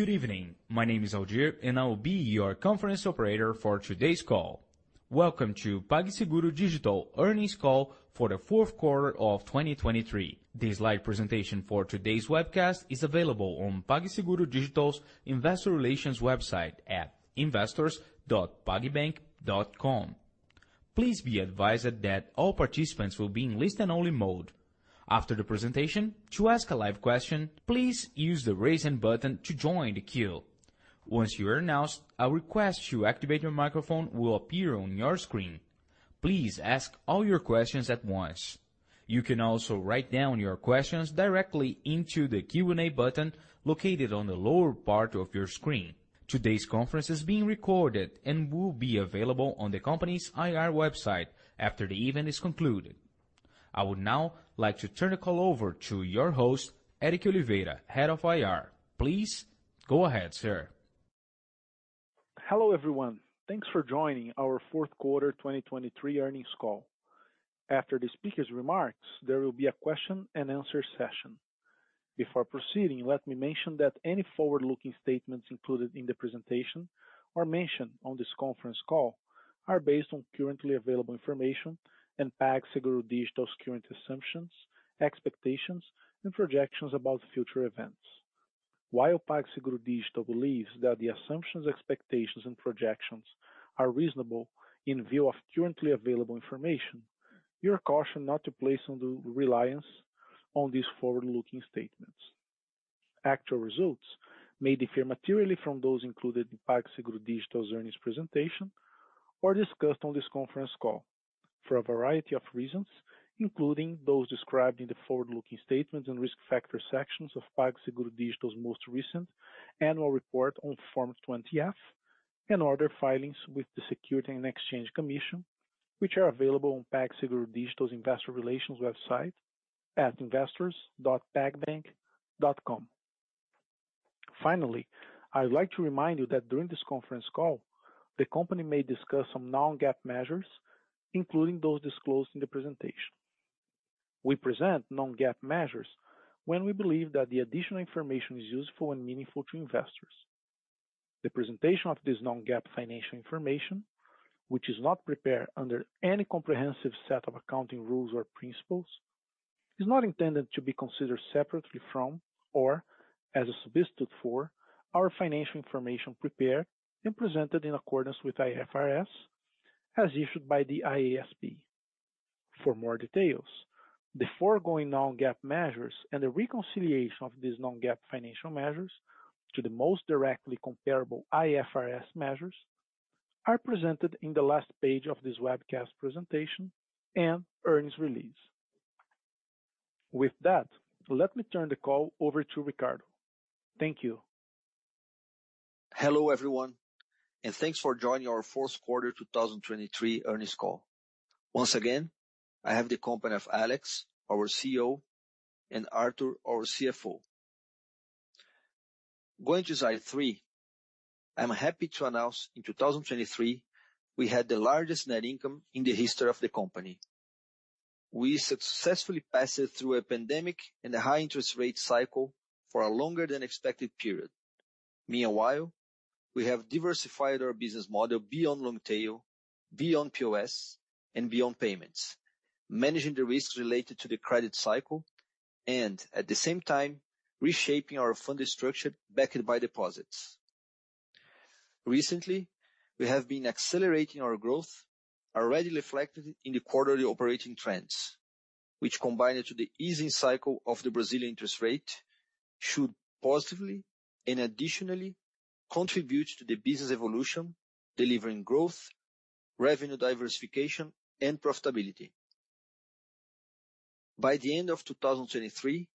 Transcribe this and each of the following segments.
Good evening, my name is Aldir, and I'll be your conference operator for today's call. Welcome to PagSeguro Digital Earnings Call for the fourth quarter of 2023. This live presentation for today's webcast is available on PagSeguro Digital's investor relations website at investors.pagbank.com. Please be advised that all participants will be in listen-only mode. After the presentation, to ask a live question, please use the raise hand button to join the queue. Once you are announced, a request to activate your microphone will appear on your screen. Please ask all your questions at once. You can also write down your questions directly into the Q&A button located on the lower part of your screen. Today's conference is being recorded and will be available on the company's IR website after the event is concluded. I would now like to turn the call over to your host, Eric Oliveira, head of IR. Please go ahead, sir. Hello everyone, thanks for joining our fourth quarter 2023 earnings call. After the speaker's remarks, there will be a question-and-answer session. Before proceeding, let me mention that any forward-looking statements included in the presentation or mentioned on this conference call are based on currently available information and PagSeguro Digital's current assumptions, expectations, and projections about future events. While PagSeguro Digital believes that the assumptions, expectations, and projections are reasonable in view of currently available information, you're cautioned not to place your reliance on these forward-looking statements. Actual results may differ materially from those included in PagSeguro Digital's earnings presentation or discussed on this conference call for a variety of reasons, including those described in the forward-looking statements and risk factor sections of PagSeguro Digital's most recent annual report on Form 20-F and other filings with the Securities and Exchange Commission, which are available on PagSeguro Digital's investor relations website at investors.pagbank.com. Finally, I would like to remind you that during this conference call, the company may discuss some non-GAAP measures, including those disclosed in the presentation. We present non-GAAP measures when we believe that the additional information is useful and meaningful to investors. The presentation of this non-GAAP financial information, which is not prepared under any comprehensive set of accounting rules or principles, is not intended to be considered separately from or as a substitute for our financial information prepared and presented in accordance with IFRS as issued by the IASB. For more details, the foregoing non-GAAP measures and the reconciliation of these non-GAAP financial measures to the most directly comparable IFRS measures are presented in the last page of this webcast presentation and earnings release. With that, let me turn the call over to Ricardo. Thank you. Hello everyone, and thanks for joining our fourth quarter 2023 earnings call. Once again, I have the company of Alex, our CEO, and Artur, our CFO. Going to slide three, I'm happy to announce in 2023 we had the largest net income in the history of the company. We successfully passed through a pandemic and a high-interest rate cycle for a longer than expected period. Meanwhile, we have diversified our business model beyond long tail, beyond POS, and beyond payments, managing the risks related to the credit cycle and, at the same time, reshaping our funding structure backed by deposits. Recently, we have been accelerating our growth already reflected in the quarterly operating trends, which combined to the easing cycle of the Brazilian interest rate should positively and additionally contribute to the business evolution, delivering growth, revenue diversification, and profitability. By the end of 2023,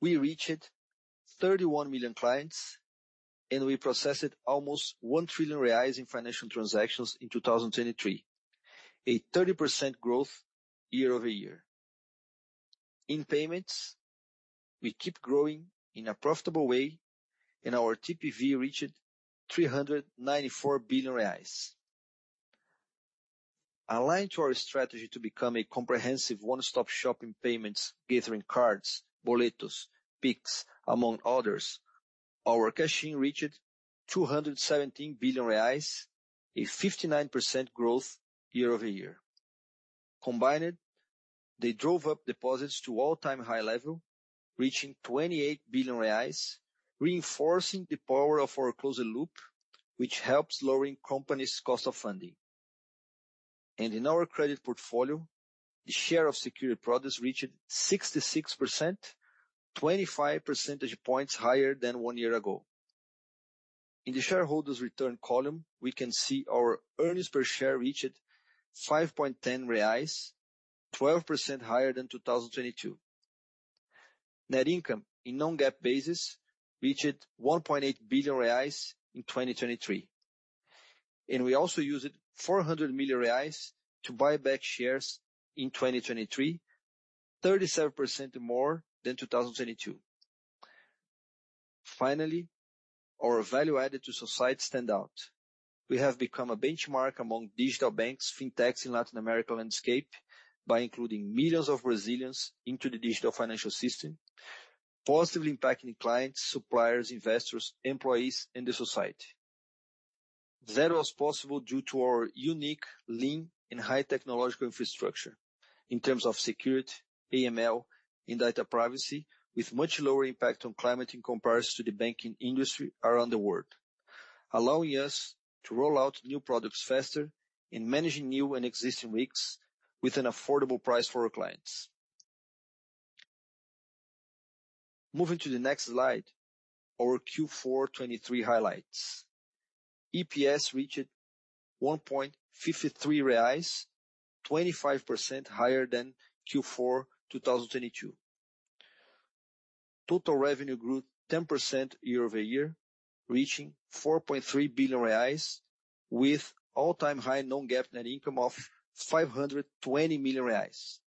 we reached 31 million clients and we processed almost 1 trillion reais in financial transactions in 2023, a 30% year-over-year growth. In payments, we keep growing in a profitable way and our TPV reached 394 billion reais. Aligned to our strategy to become a comprehensive one-stop shop in payments, gathering cards, boletos, Pix, among others, our cash-in reached 217 billion reais, a 59% year-over-year growth. Combined, they drove up deposits to all-time high level, reaching 28 billion reais, reinforcing the power of our closed loop, which helps lowering companies' cost of funding. In our credit portfolio, the share of secured products reached 66%, 25 percentage points higher than one year ago. In the shareholders' return column, we can see our earnings per share reached 5.10 reais, 12% higher than 2022. Net income on a non-GAAP basis reached 1.8 billion reais in 2023. We also used 400 million reais to buy back shares in 2023, 37% more than 2022. Finally, our value added to society stands out. We have become a benchmark among digital banks, fintechs in the Latin American landscape by including millions of Brazilians into the digital financial system, positively impacting clients, suppliers, investors, employees, and the society. That was possible due to our unique lean and high-technological infrastructure in terms of security, AML, and data privacy, with much lower impact on climate in comparison to the banking industry around the world, allowing us to roll out new products faster and manage new and existing risks with an affordable price for our clients. Moving to the next slide, our Q4 2023 highlights. EPS reached 1.53 reais, 25% higher than Q4 2022. Total revenue grew 10% year-over-year, reaching 4.3 billion reais, with all-time high non-GAAP net income of 520 million reais.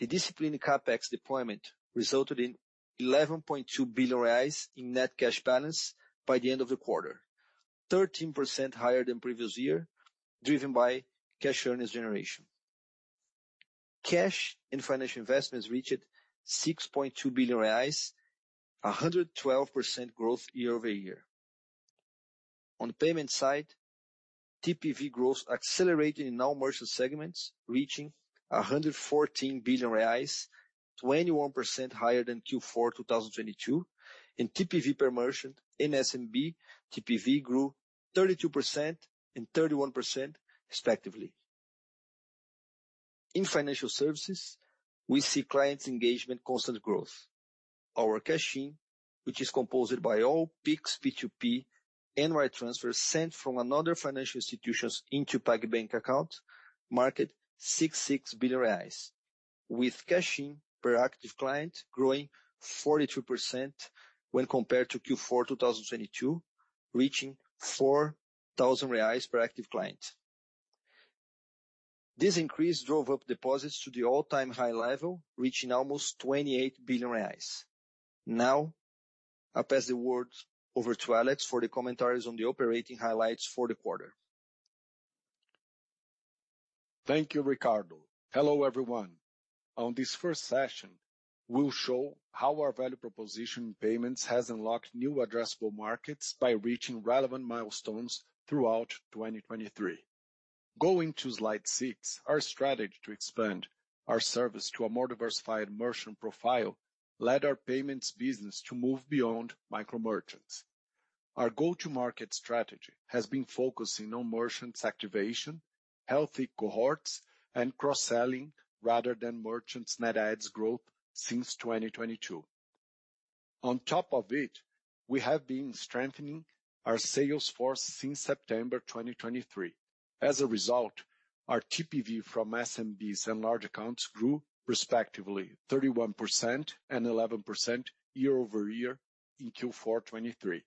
The disciplined CapEx deployment resulted in 11.2 billion reais in net cash balance by the end of the quarter, 13% higher than previous year, driven by cash earnings generation. Cash and financial investments reached 6.2 billion reais, 112% year-over-year growth. On the payment side, TPV growth accelerated in all merchant segments, reaching 114 billion reais, 21% higher than Q4 2022, and TPV per merchant in SMB, TPV grew 32% and 31% respectively. In financial services, we see clients' engagement constant growth. Our cash-in, which is composed by all Pix, P2P, and wire transfers sent from another financial institution into PagBank accounts, reached 66 billion reais, with cash-in per active client growing 42% when compared to Q4 2022, reaching 4,000 reais per active client. This increase drove up deposits to the all-time high level, reaching almost 28 billion reais. Now, I pass the word over to Alex for the commentaries on the operating highlights for the quarter. Thank you, Ricardo. Hello everyone. On this first session, we'll show how our value proposition in payments has unlocked new addressable markets by reaching relevant milestones throughout 2023. Going to slide 6, our strategy to expand our service to a more diversified merchant profile led our payments business to move beyond micro-merchants. Our go-to-market strategy has been focusing on merchants' activation, healthy cohorts, and cross-selling rather than merchants' net adds growth since 2022. On top of it, we have been strengthening our sales force since September 2023. As a result, our TPV from SMBs and large accounts grew respectively 31% and 11% year-over-year in Q4 2023.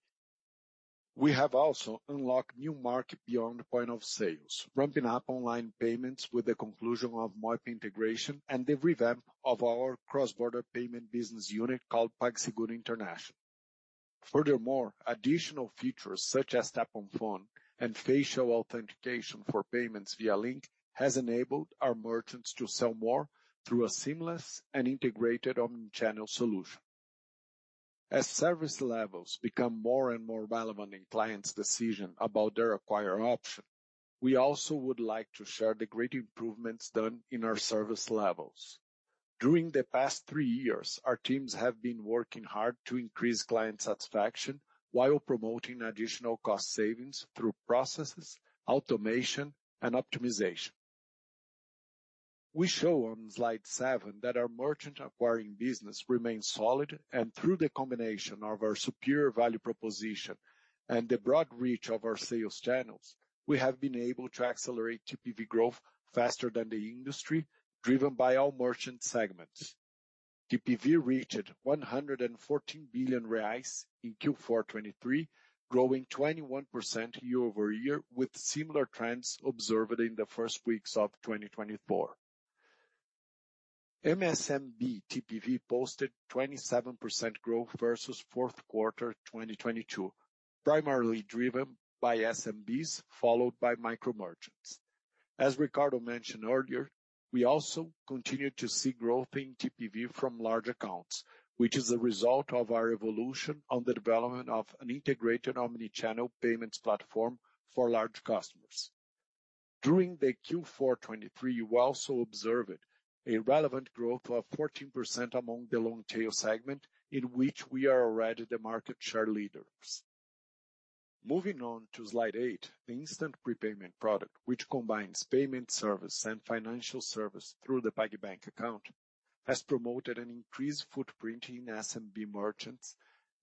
We have also unlocked new markets beyond point of sales, ramping up online payments with the conclusion of Moip integration and the revamp of our cross-border payment business unit called PagSeguro International. Furthermore, additional features such as Tap-on-Phone and facial authentication for payments via link have enabled our merchants to sell more through a seamless and integrated omnichannel solution. As service levels become more and more relevant in clients' decisions about their acquired option, we also would like to share the great improvements done in our service levels. During the past three years, our teams have been working hard to increase client satisfaction while promoting additional cost savings through processes, automation, and optimization. We show on slide seven that our merchant-acquiring business remains solid, and through the combination of our superior value proposition and the broad reach of our sales channels, we have been able to accelerate TPV growth faster than the industry, driven by all merchant segments. TPV reached 114 billion reais in Q4 2023, growing 21% year-over-year with similar trends observed in the first weeks of 2024. MSMB TPV posted 27% growth versus fourth quarter 2022, primarily driven by SMBs followed by micro-merchants. As Ricardo mentioned earlier, we also continue to see growth in TPV from large accounts, which is a result of our evolution on the development of an integrated omnichannel payments platform for large customers. During the Q4 2023, you also observed a relevant growth of 14% among the long tail segment in which we are already the market share leaders. Moving on to slide 8, the instant prepayment product, which combines payment service and financial service through the PagBank account, has promoted an increased footprint in SMB merchants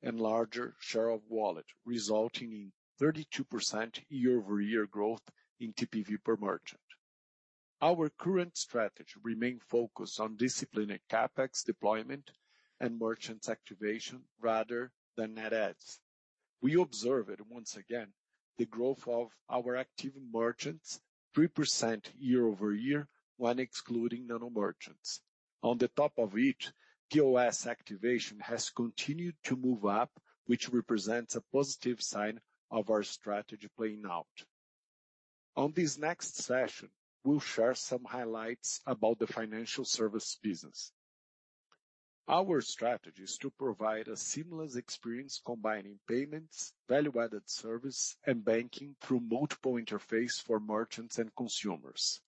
and larger share of wallet, resulting in 32% year-over-year growth in TPV per merchant. Our current strategy remains focused on disciplined CapEx deployment and merchants' activation rather than net adds. We observed, once again, the growth of our active merchants 3% year-over-year when excluding nano-merchants. On the top of it, POS activation has continued to move up, which represents a positive sign of our strategy playing out. On this next session, we'll share some highlights about the financial service business. Our strategy is to provide a seamless experience combining payments, value-added service, and banking through multiple interfaces for merchants and consumers.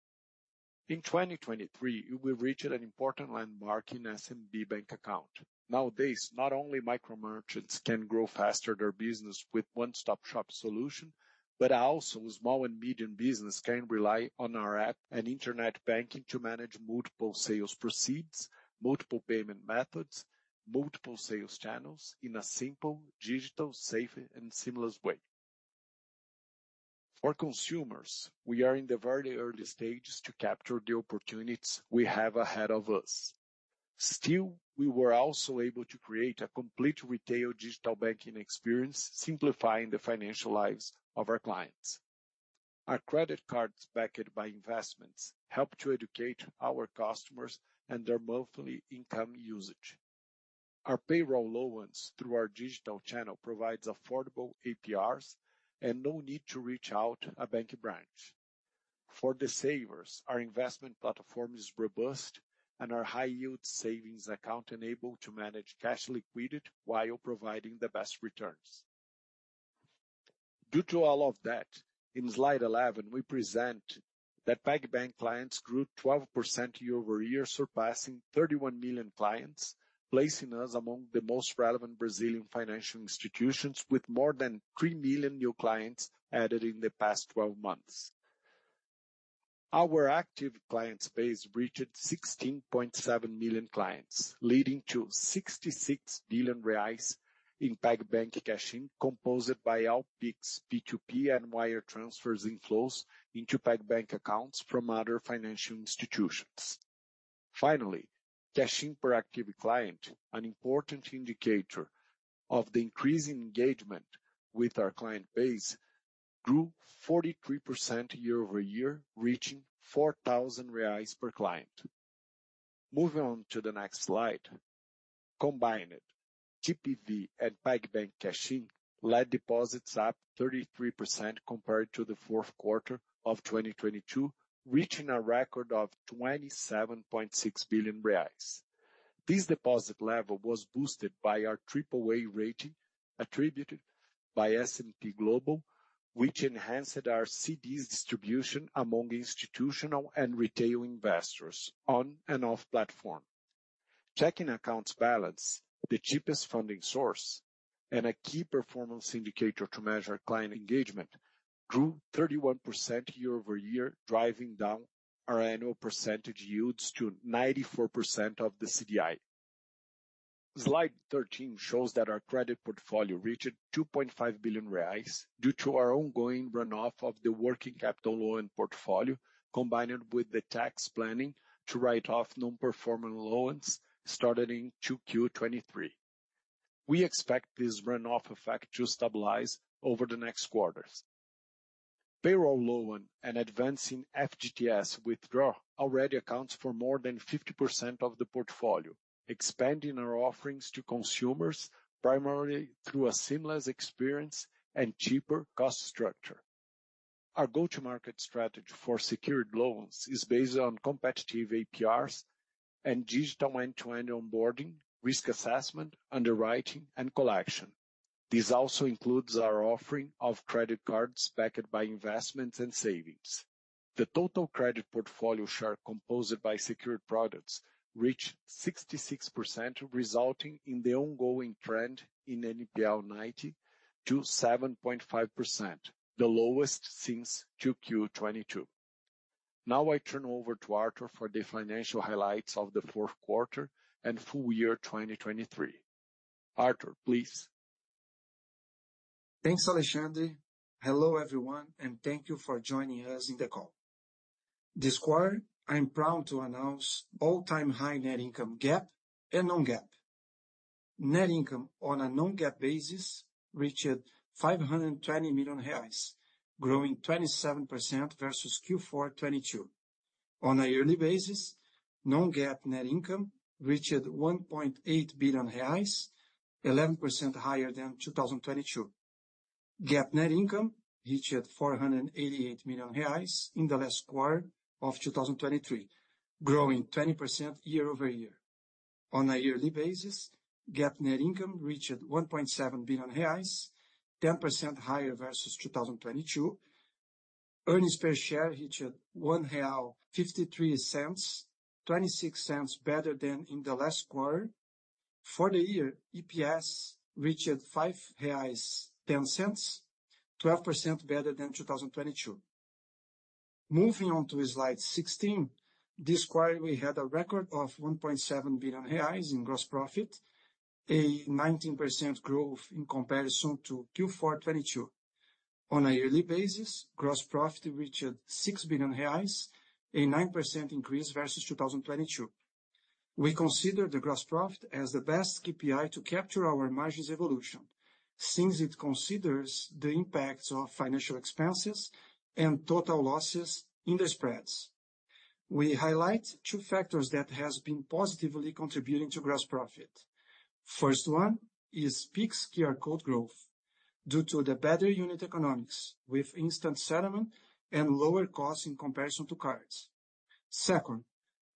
In 2023, we reached an important landmark in SMB bank accounts. Nowadays, not only micro-merchants can grow faster their business with one-stop shop solutions, but also small and medium businesses can rely on our app and internet banking to manage multiple sales proceeds, multiple payment methods, and multiple sales channels in a simple, digital, safe, and seamless way. For consumers, we are in the very early stages to capture the opportunities we have ahead of us. Still, we were also able to create a complete retail digital banking experience, simplifying the financial lives of our clients. Our credit cards backed by investments help to educate our customers and their monthly income usage. Our payroll loans through our digital channel provide affordable APRs and no need to reach out to a bank branch. For the savers, our investment platform is robust and our high-yield savings account enables us to manage cash liquidity while providing the best returns. Due to all of that, in slide 11, we present that PagBank clients grew 12% year-over-year, surpassing 31 million clients, placing us among the most relevant Brazilian financial institutions with more than 3 million new clients added in the past 12 months. Our active client base reached 16.7 million clients, leading to 66 billion reais in PagBank cash-in composed by all Pix, P2P, and wire transfers in flows into PagBank accounts from other financial institutions. Finally, cash-in per active client, an important indicator of the increasing engagement with our client base, grew 43% year-over-year, reaching 4,000 reais per client. Moving on to the next slide, combined TPV and PagBank cash-in led deposits up 33% compared to the fourth quarter of 2022, reaching a record of 27.6 billion reais. This deposit level was boosted by our AAA rating attributed by S&P Global, which enhanced our CDs distribution among institutional and retail investors on and off platforms. Checking accounts balance, the cheapest funding source, and a key performance indicator to measure client engagement grew 31% year-over-year, driving down our annual percentage yields to 94% of the CDI. Slide 13 shows that our credit portfolio reached 2.5 billion reais due to our ongoing runoff of the working capital loan portfolio, combined with the tax planning to write off non-performing loans starting in Q2 2023. We expect this runoff effect to stabilize over the next quarters. Payroll loan and advancing FGTS withdrawal already accounts for more than 50% of the portfolio, expanding our offerings to consumers primarily through a seamless experience and cheaper cost structure. Our go-to-market strategy for secured loans is based on competitive APRs and digital end-to-end onboarding, risk assessment, underwriting, and collection. This also includes our offering of credit cards backed by investments and savings. The total credit portfolio share composed by secured products reached 66%, resulting in the ongoing trend in NPL 90 to 7.5%, the lowest since Q2 2022. Now I turn over to Artur for the financial highlights of the fourth quarter and full year 2023. Artur, please. Thanks, Alexandre. Hello everyone, and thank you for joining us in the call. This quarter, I'm proud to announce all-time high net income GAAP and non-GAAP. Net income on a non-GAAP basis reached 520 million reais, growing 27% versus Q4 2022. On a yearly basis, non-GAAP net income reached 1.8 billion reais, 11% higher than 2022. GAAP net income reached 488 million reais in the last quarter of 2023, growing 20% year-over-year. On a yearly basis, GAAP net income reached 1.7 billion reais, 10% higher versus 2022. Earnings per share reached $1.53, $0.26 better than in the last quarter. For the year, EPS reached $5.10, 12% better than 2022. Moving on to slide 16, this quarter we had a record of 1.7 billion reais in gross profit, a 19% growth in comparison to Q4 2022. On a yearly basis, gross profit reached 6 billion reais, a 9% increase versus 2022. We consider the gross profit as the best KPI to capture our margin's evolution, since it considers the impacts of financial expenses and total losses in the spreads. We highlight two factors that have been positively contributing to gross profit. First one is PIX QR Code growth, due to the better unit economics with instant settlement and lower costs in comparison to cards. Second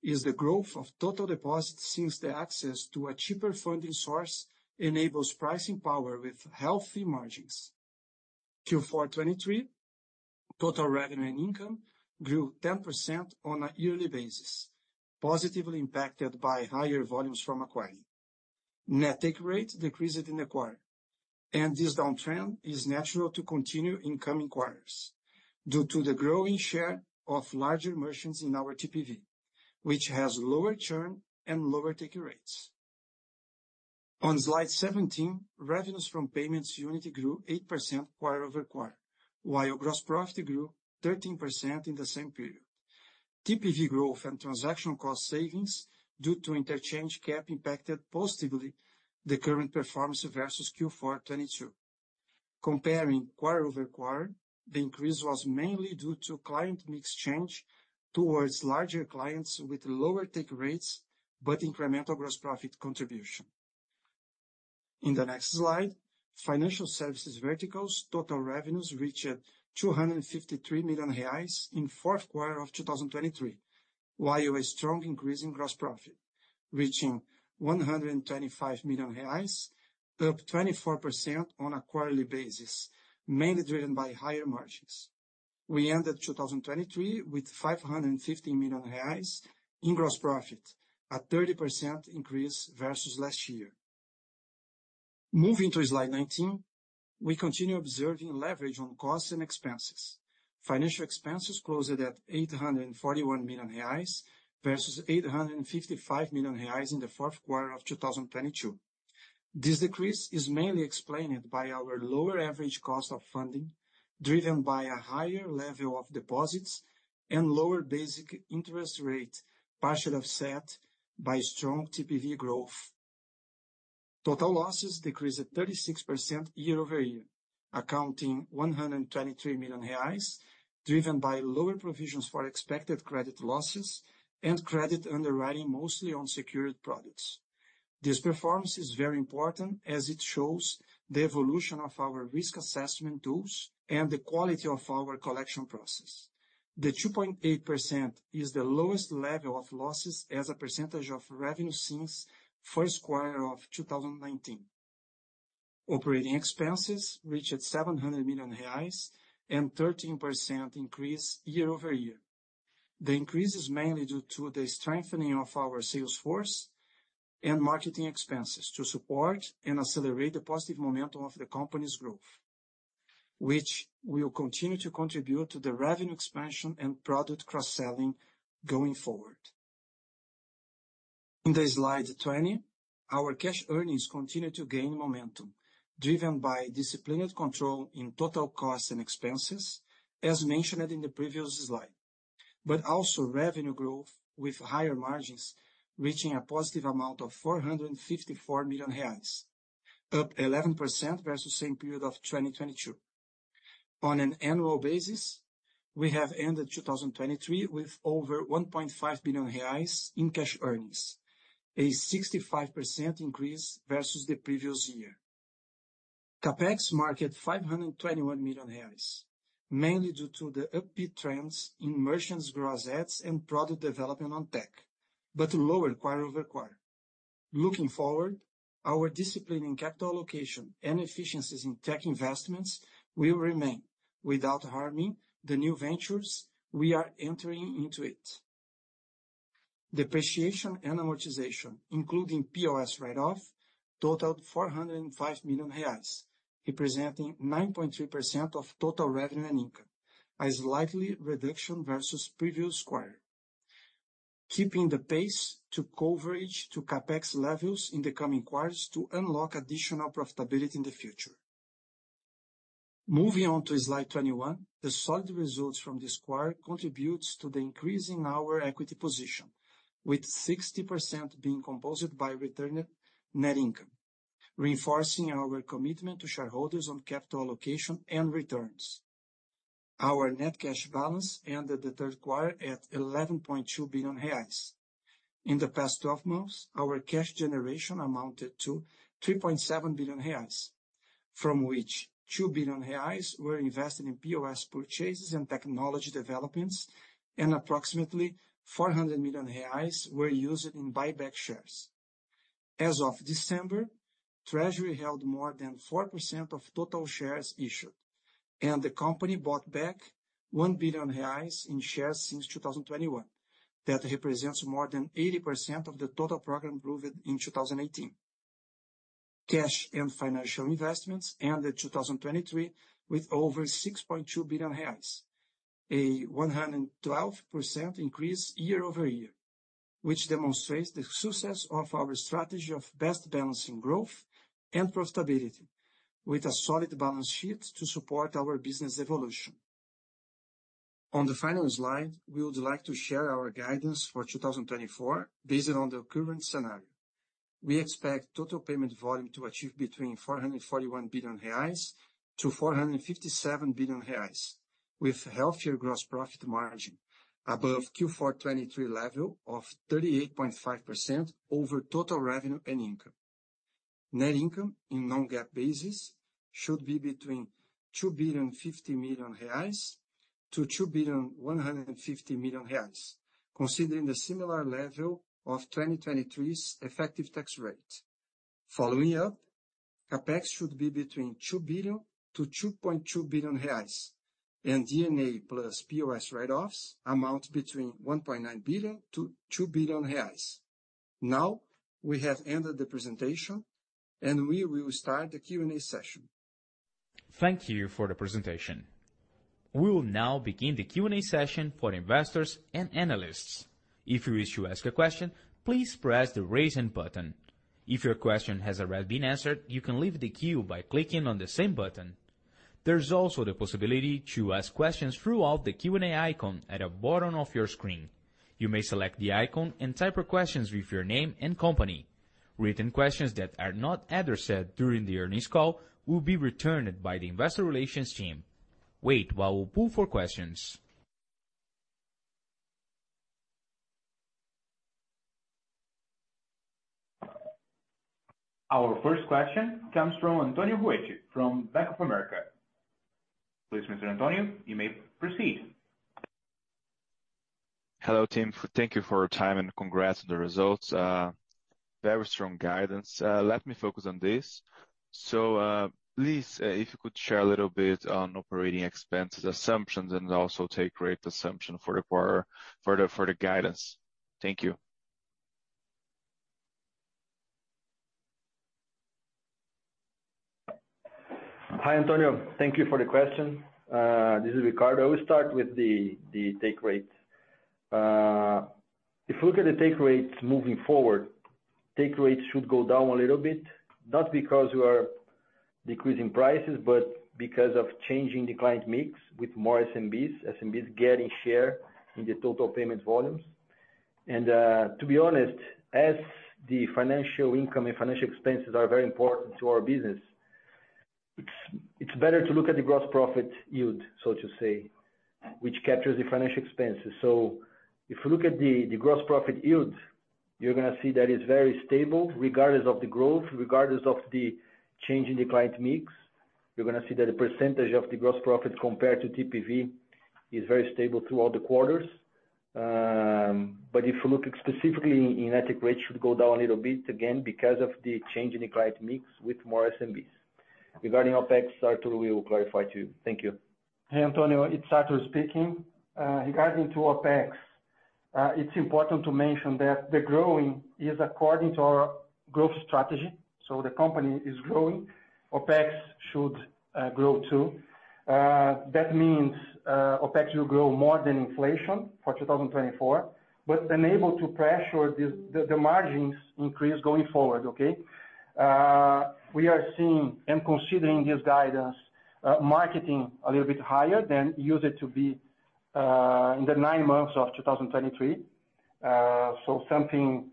is the growth of total deposits since the access to a cheaper funding source enables pricing power with healthy margins. Q4 2023, total revenue and income grew 10% on a yearly basis, positively impacted by higher volumes from acquiring. Net Take Rate decreased in the quarter, and this downtrend is natural to continue in coming quarters due to the growing share of larger merchants in our TPV, which has lower churn and lower take rates. On slide 17, revenues from payments unit grew 8% quarter-over-quarter, while gross profit grew 13% in the same period. TPV growth and transaction cost savings due to interchange cap impacted positively the current performance versus Q4 2022. Comparing quarter-over-quarter, the increase was mainly due to client mix change towards larger clients with lower take rates but incremental gross profit contribution. In the next slide, financial services verticals total revenues reached 253 million reais in the fourth quarter of 2023, while a strong increase in gross profit reached 125 million reais, up 24% on a quarterly basis, mainly driven by higher margins. We ended 2023 with 515 million reais in gross profit, a 30% increase versus last year. Moving to slide 19, we continue observing leverage on costs and expenses. Financial expenses closed at 841 million reais versus 855 million reais in the fourth quarter of 2022. This decrease is mainly explained by our lower average cost of funding, driven by a higher level of deposits and lower basic interest rate, partially offset by strong TPV growth. Total losses decreased 36% year-over-year, accounting for 123 million reais, driven by lower provisions for expected credit losses and credit underwriting mostly on secured products. This performance is very important as it shows the evolution of our risk assessment tools and the quality of our collection process. The 2.8% is the lowest level of losses as a percentage of revenue since the first quarter of 2019. Operating expenses reached 700 million reais and a 13% increase year-over-year. The increase is mainly due to the strengthening of our sales force and marketing expenses to support and accelerate the positive momentum of the company's growth, which will continue to contribute to the revenue expansion and product cross-selling going forward. In slide 20, our cash earnings continue to gain momentum, driven by disciplined control in total costs and expenses, as mentioned in the previous slide, but also revenue growth with higher margins reaching a positive amount of 454 million reais, up 11% versus the same period of 2022. On an annual basis, we have ended 2023 with over 1.5 billion reais in cash earnings, a 65% increase versus the previous year. CapEx marketed 521 million reais, mainly due to the upbeat trends in merchants' gross ads and product development on tech, but lower quarter-over-quarter. Looking forward, our discipline in capital allocation and efficiencies in tech investments will remain, without harming the new ventures we are entering into. Depreciation and amortization, including POS write-off, totaled 405 million reais, representing 9.3% of total revenue and income, a slight reduction versus the previous quarter, keeping the pace to coverage to CapEx levels in the coming quarters to unlock additional profitability in the future. Moving on to slide 21, the solid results from this quarter contribute to the increase in our equity position, with 60% being composed by returned net income, reinforcing our commitment to shareholders on capital allocation and returns. Our net cash balance ended the third quarter at 11.2 billion reais. In the past 12 months, our cash generation amounted to 3.7 billion reais, from which 2 billion reais were invested in POS purchases and technology developments, and approximately 400 million reais were used in buyback shares. As of December, Treasury held more than 4% of total shares issued, and the company bought back 1 billion reais in shares since 2021, that represents more than 80% of the total program proven in 2018. Cash and financial investments ended 2023 with over 6.2 billion reais, a 112% increase year-over-year, which demonstrates the success of our strategy of best balancing growth and profitability, with a solid balance sheet to support our business evolution. On the final slide, we would like to share our guidance for 2024 based on the current scenario. We expect total payment volume to achieve between 441 billion-457 billion reais, with healthier gross profit margin above Q4 2023 level of 38.5% over total revenue and income. Net income in non-GAAP basis should be between 2.5 billion-2.15 billion reais, considering the similar level of 2023's effective tax rate. Following up, CapEx should be between 2.0 billion-2.2 billion reais, and D&A plus POS write-offs amount between 1.9 billion-2 billion reais. Now we have ended the presentation, and we will start the Q&A session. Thank you for the presentation. We will now begin the Q&A session for investors and analysts. If you wish to ask a question, please press the raise hand button. If your question has already been answered, you can leave the cue by clicking on the same button. There's also the possibility to ask questions throughout the Q&A icon at the bottom of your screen. You may select the icon and type your questions with your name and company. Written questions that are not addressed during the earnings call will be returned by the investor relations team. Wait while we pull for questions. Our first question comes from Antonio Ruette from Bank of America. Please, Mr. Antonio, you may proceed. Hello, Tim. Thank you for your time and congrats on the results. Very strong guidance. Let me focus on this. So please, if you could share a little bit on operating expenses assumptions and also take rate assumption for the guidance. Thank you. Hi, Antonio. Thank you for the question. This is Ricardo. We start with the take rate. If we look at the take rates moving forward, take rates should go down a little bit, not because we are decreasing prices, but because of changing the client mix with more SMBs, SMBs getting share in the total payment volumes. And to be honest, as the financial income and financial expenses are very important to our business, it's better to look at the gross profit yield, so to say, which captures the financial expenses. So if you look at the gross profit yield, you're going to see that it's very stable regardless of the growth, regardless of the change in the client mix. You're going to see that the percentage of the gross profit compared to TPV is very stable throughout the quarters. But if we look specifically in Net Take Rate, it should go down a little bit again because of the change in the client mix with more SMBs. Regarding OPEX, Artur, we will clarify to you. Thank you. Hey, Antonio. It's Artur speaking. Regarding to OPEX, it's important to mention that the growing is according to our growth strategy. So the company is growing. OPEX should grow too. That means OPEX will grow more than inflation for 2024, but enable to pressure the margins increase going forward, okay? We are seeing and considering this guidance marketing a little bit higher than used to be in the nine months of 2023, so something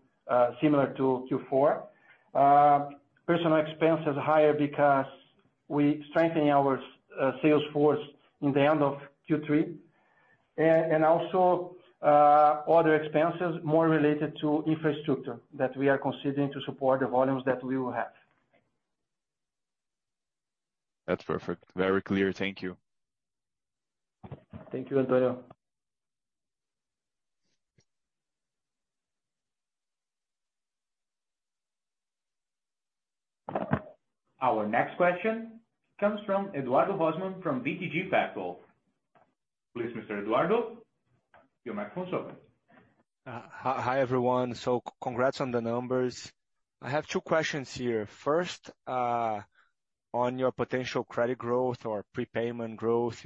similar to Q4. Personal expenses are higher because we strengthen our sales force in the end of Q3 and also other expenses more related to infrastructure that we are considering to support the volumes that we will have. That's perfect. Very clear. Thank you. Thank you, Antonio. Our next question comes from Eduardo Rosman from BTG Pactual. Please, Mr. Eduardo. Your microphone is open. Hi, everyone. So congrats on the numbers. I have two questions here. First, on your potential credit growth or prepayment growth,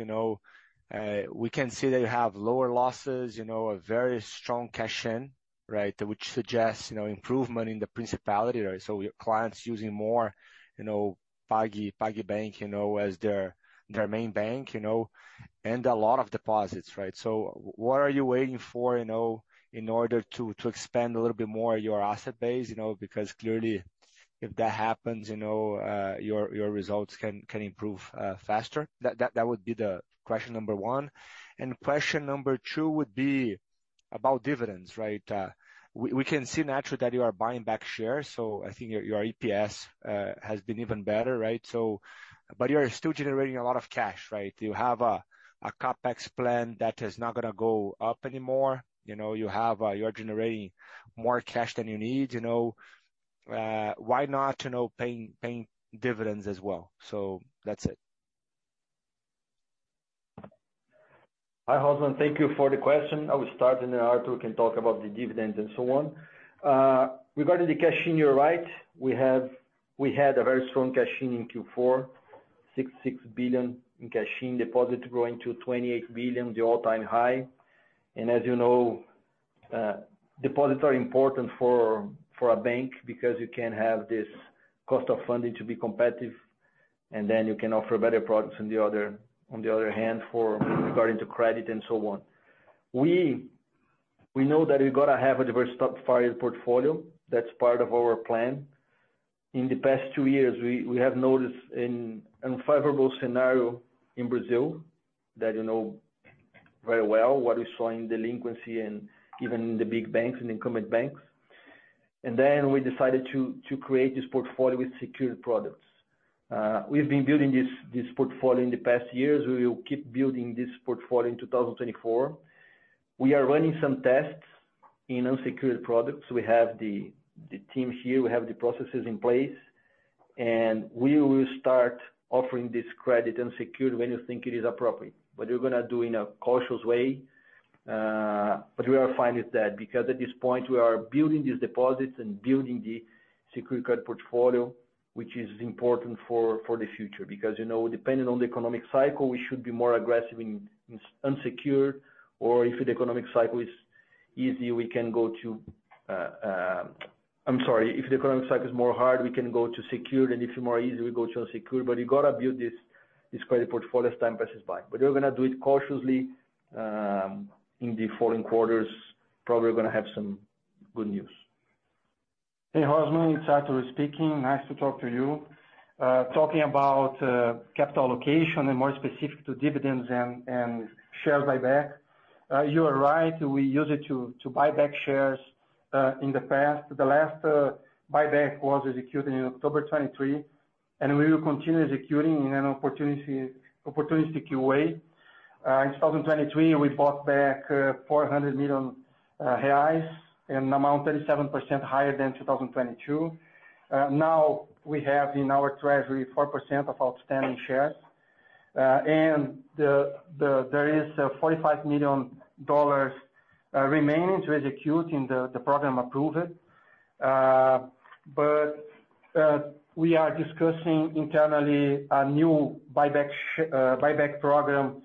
we can see that you have lower losses, a very strong cash-in, right, which suggests improvement in the principal, right? So your clients using more PagBank as their main bank and a lot of deposits, right? So what are you waiting for in order to expand a little bit more your asset base? Because clearly, if that happens, your results can improve faster. That would be the question number one. And question number two would be about dividends, right? We can see naturally that you are buying back shares. So I think your EPS has been even better, right? But you are still generating a lot of cash, right? You have a CapEx plan that is not going to go up anymore. You are generating more cash than you need. Why not paying dividends as well? That's it. Hi, Rosman. Thank you for the question. I will start and then Artur can talk about the dividends and so on. Regarding the cash-in, you're right. We had a very strong cash-in in Q4, 66 billion in cash-in deposit growing to 28 billion, the all-time high. And as you know, deposits are important for a bank because you can have this cost of funding to be competitive, and then you can offer better products on the other hand regarding to credit and so on. We know that we got to have a diversified portfolio. That's part of our plan. In the past two years, we have noticed an unfavorable scenario in Brazil that you know very well, what we saw in delinquency and even in the big banks, in incumbent banks. And then we decided to create this portfolio with secured products. We've been building this portfolio in the past years. We will keep building this portfolio in 2024. We are running some tests in unsecured products. We have the team here. We have the processes in place. And we will start offering this credit unsecured when you think it is appropriate. But you're going to do it in a cautious way. But we are fine with that because at this point, we are building these deposits and building the secured credit portfolio, which is important for the future. Because depending on the economic cycle, we should be more aggressive in unsecured. Or if the economic cycle is easy, we can go to—I'm sorry. If the economic cycle is more hard, we can go to secured. And if it's more easy, we go to unsecured. But you got to build this credit portfolio as time passes by. You're going to do it cautiously. In the following quarters, probably going to have some good news. Hey, Rosman. It's Artur speaking. Nice to talk to you. Talking about capital allocation and more specific to dividends and shares buyback, you are right. We used it to buy back shares in the past. The last buyback was executed in October 2023, and we will continue executing in an opportunistic way. In 2023, we bought back 400 million reais, an amount 37% higher than 2022. Now we have in our treasury 4% of outstanding shares. There is $45 million remaining to execute in the program approved. But we are discussing internally a new buyback program,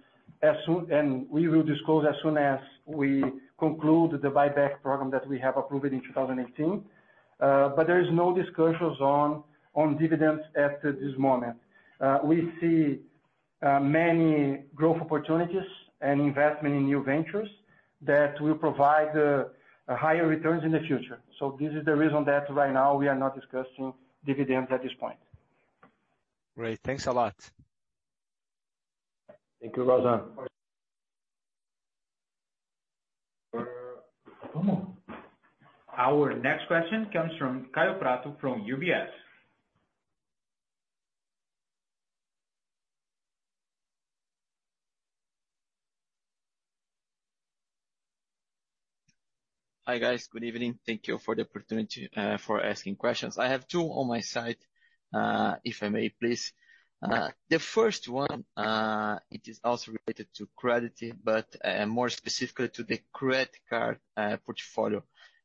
and we will disclose as soon as we conclude the buyback program that we have approved in 2018. But there are no discussions on dividends at this moment. We see many growth opportunities and investment in new ventures that will provide higher returns in the future. This is the reason that right now we are not discussing dividends at this point. Great. Thanks a lot. Thank you, Rosman. Our next question comes from Kaio Prato from UBS. Hi, guys. Good evening. Thank you for the opportunity for asking questions. I have two on my side, if I may, please. The first one, it is also related to credit, but more specifically to the credit card portfolio.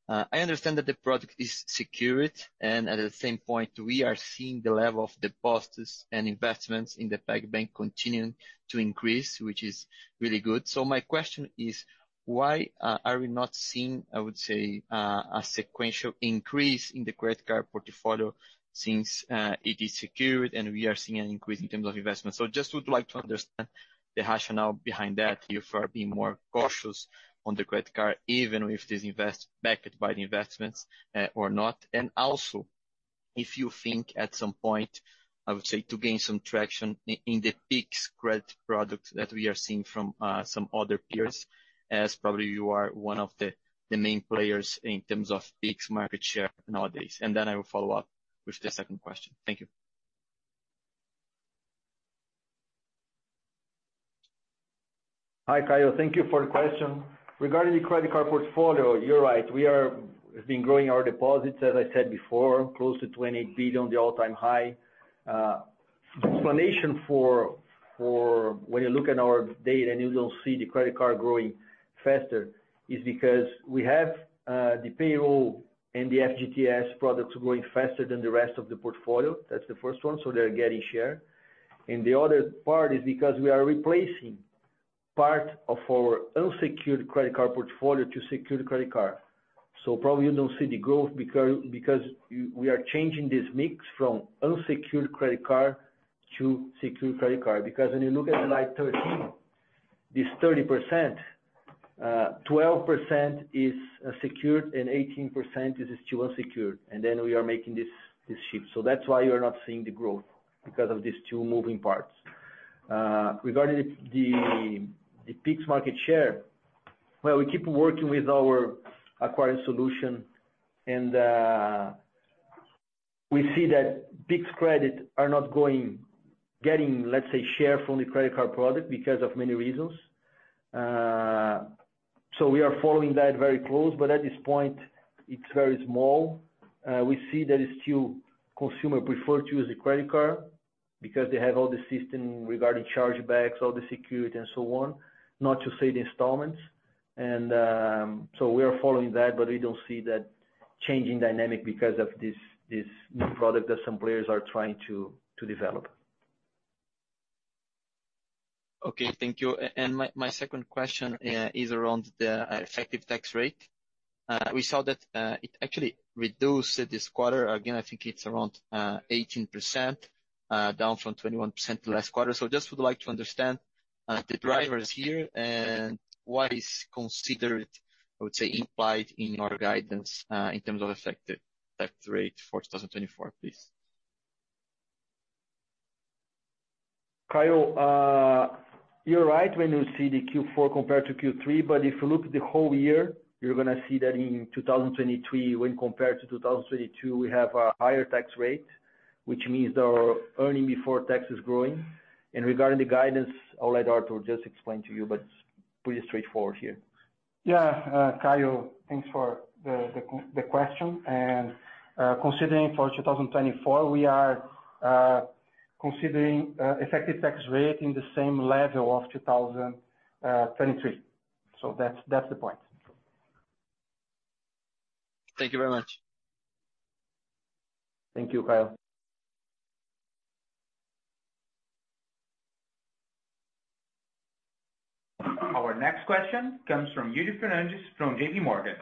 I understand that the product is secured, and at the same point, we are seeing the level of deposits and investments in PagBank continuing to increase, which is really good. So my question is, why are we not seeing, I would say, a sequential increase in the credit card portfolio since it is secured and we are seeing an increase in terms of investments? So just would like to understand the rationale behind that, if you are being more cautious on the credit card, even if this is backed by the investments or not. And also, if you think at some point, I would say, to gain some traction in the Pix credit product that we are seeing from some other peers, as probably you are one of the main players in terms of Pix market share nowadays. And then I will follow up with the second question. Thank you. Hi, Kaio. Thank you for the question. Regarding the credit card portfolio, you're right. We have been growing our deposits, as I said before, close to 28 billion, the all-time high. The explanation for when you look at our data and you don't see the credit card growing faster is because we have the payroll and the FGTS products growing faster than the rest of the portfolio. That's the first one. So they're getting share. And the other part is because we are replacing part of our unsecured credit card portfolio to secured credit card. So probably you don't see the growth because we are changing this mix from unsecured credit card to secured credit card. Because when you look at slide 13, this 30%, 12% is secured and 18% is still unsecured. And then we are making this shift. So that's why you are not seeing the growth because of these two moving parts. Regarding the PIX market share, well, we keep working with our acquiring solution, and we see that PIX credit are not getting, let's say, share from the credit card product because of many reasons. So we are following that very close. But at this point, it's very small. We see that still consumers prefer to use the credit card because they have all the system regarding chargebacks, all the security, and so on, not to say the installments. And so we are following that, but we don't see that changing dynamic because of this new product that some players are trying to develop. Okay. Thank you. My second question is around the effective tax rate. We saw that it actually reduced this quarter. Again, I think it's around 18%, down from 21% last quarter. So just would like to understand the drivers here and what is considered, I would say, implied in your guidance in terms of effective tax rate for 2024, please. Kaio, you're right when you see the Q4 compared to Q3. But if you look at the whole year, you're going to see that in 2023, when compared to 2022, we have a higher tax rate, which means our earnings before tax is growing. And regarding the guidance, I'll let Artur just explain to you, but it's pretty straightforward here. Yeah. Kaio, thanks for the question. Considering for 2024, we are considering effective tax rate in the same level of 2023. That's the point. Thank you very much. Thank you, Caio. Our next question comes from Yuri Fernandes from JPMorgan.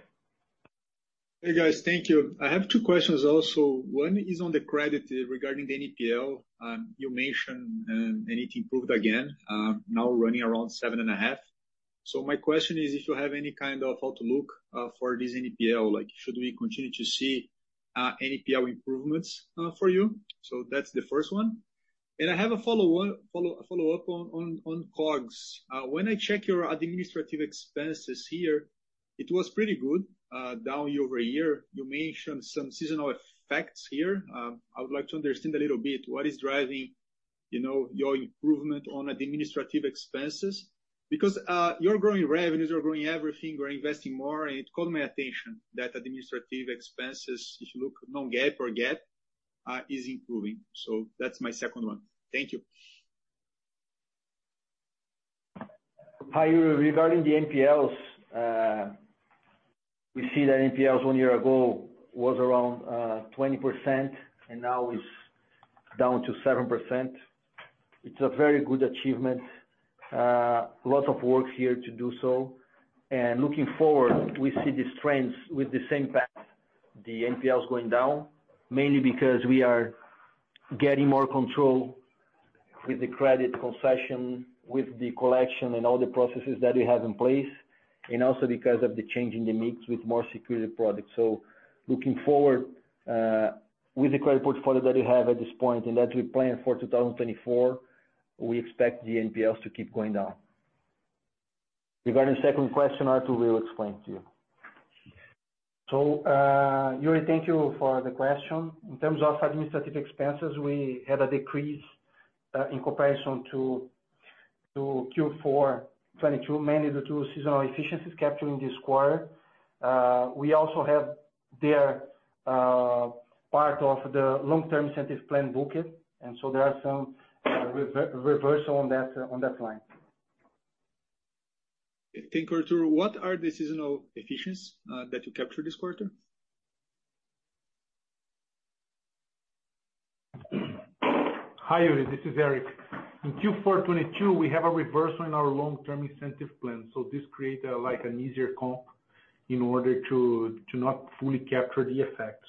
Hey, guys. Thank you. I have two questions also. One is on the credit regarding the NPL. You mentioned and it improved again, now running around 7.5%. So my question is if you have any kind of outlook for this NPL, should we continue to see NPL improvements for you? So that's the first one. And I have a follow-up on COGS. When I check your administrative expenses here, it was pretty good down year-over-year. You mentioned some seasonal effects here. I would like to understand a little bit what is driving your improvement on administrative expenses? Because you're growing revenues. You're growing everything. You're investing more. And it caught my attention that administrative expenses, if you look non-GAAP or GAAP, is improving. So that's my second one. Thank you. Caio, regarding the NPLs, we see that NPLs one year ago was around 20% and now is down to 7%. It's a very good achievement. Lots of work here to do so. And looking forward, we see the strengths with the same path, the NPLs going down, mainly because we are getting more control with the credit concession, with the collection, and all the processes that we have in place, and also because of the change in the mix with more security products. So looking forward, with the credit portfolio that you have at this point and that we plan for 2024, we expect the NPLs to keep going down. Regarding the second question, Artur, we will explain to you. Yuri, thank you for the question. In terms of administrative expenses, we had a decrease in comparison to Q4 2022, mainly due to seasonal efficiencies captured in this quarter. We also have there part of the long-term incentive plan bucket. There are some reversals on that line. I think, Artur, what are the seasonal efficiencies that you captured this quarter? Hi, Yuri. This is Eric. In Q4 2022, we have a reversal in our long-term incentive plan. This creates an easier comp in order to not fully capture the effect.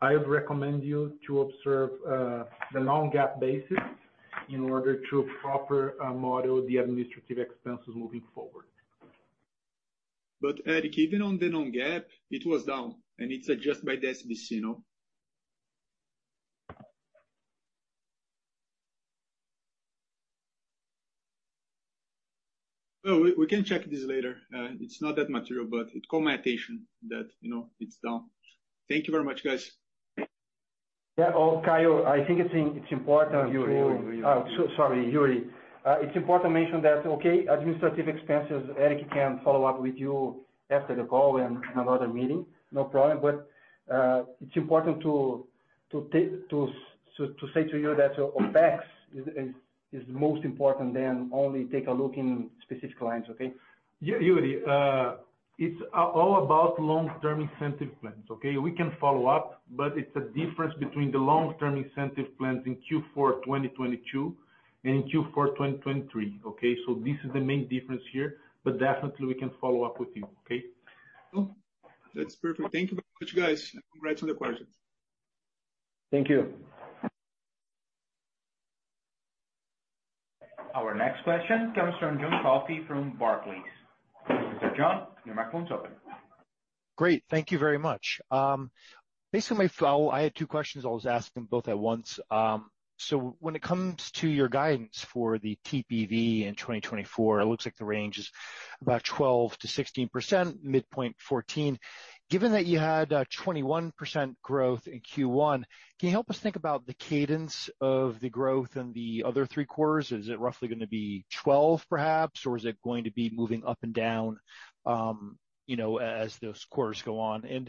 I would recommend you to observe the non-GAAP basis in order to properly model the administrative expenses moving forward. But, Eric, even on the non-GAAP, it was down. And it's adjusted by the SBC. Well, we can check this later. It's not that material, but it caught my attention that it's down. Thank you very much, guys. Yeah. Oh, Caio, I think it's important. Sorry, Yuri. It's important to mention that, okay, administrative expenses, Eric can follow up with you after the call in another meeting. No problem. But it's important to say to you that OPEX is most important than only take a look in specific lines, okay? Yuri, it's all about long-term incentive plans, okay? We can follow up, but it's a difference between the long-term incentive plans in Q4 2022 and in Q4 2023, okay? So this is the main difference here. But definitely, we can follow up with you, okay? That's perfect. Thank you very much, guys. Congrats on the question. Thank you. Our next question comes from John Coffey from Barclays. Mr. John, your microphone's open. Great. Thank you very much. Basically, I had two questions. I was asking both at once. So when it comes to your guidance for the TPV in 2024, it looks like the range is about 12%-16%, midpoint 14%. Given that you had 21% growth in Q1, can you help us think about the cadence of the growth in the other three quarters? Is it roughly going to be 12%, perhaps? Or is it going to be moving up and down as those quarters go on? And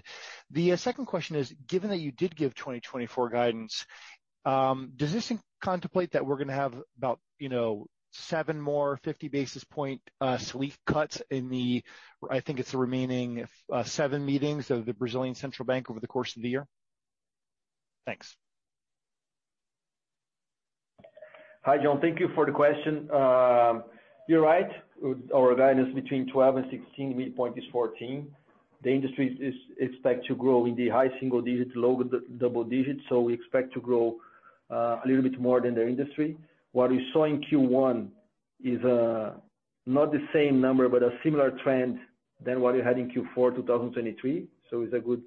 the second question is, given that you did give 2024 guidance, does this contemplate that we're going to have about seven more 50-basis-point Selic cuts in the I think it's the remaining seven meetings of the Brazilian Central Bank over the course of the year? Thanks. Hi, John. Thank you for the question. You're right. Our guidance is between 12 and 16. Midpoint is 14. The industry expects to grow in the high single-digit, low double-digit. So we expect to grow a little bit more than the industry. What we saw in Q1 is not the same number, but a similar trend than what we had in Q4 2023. So it's a good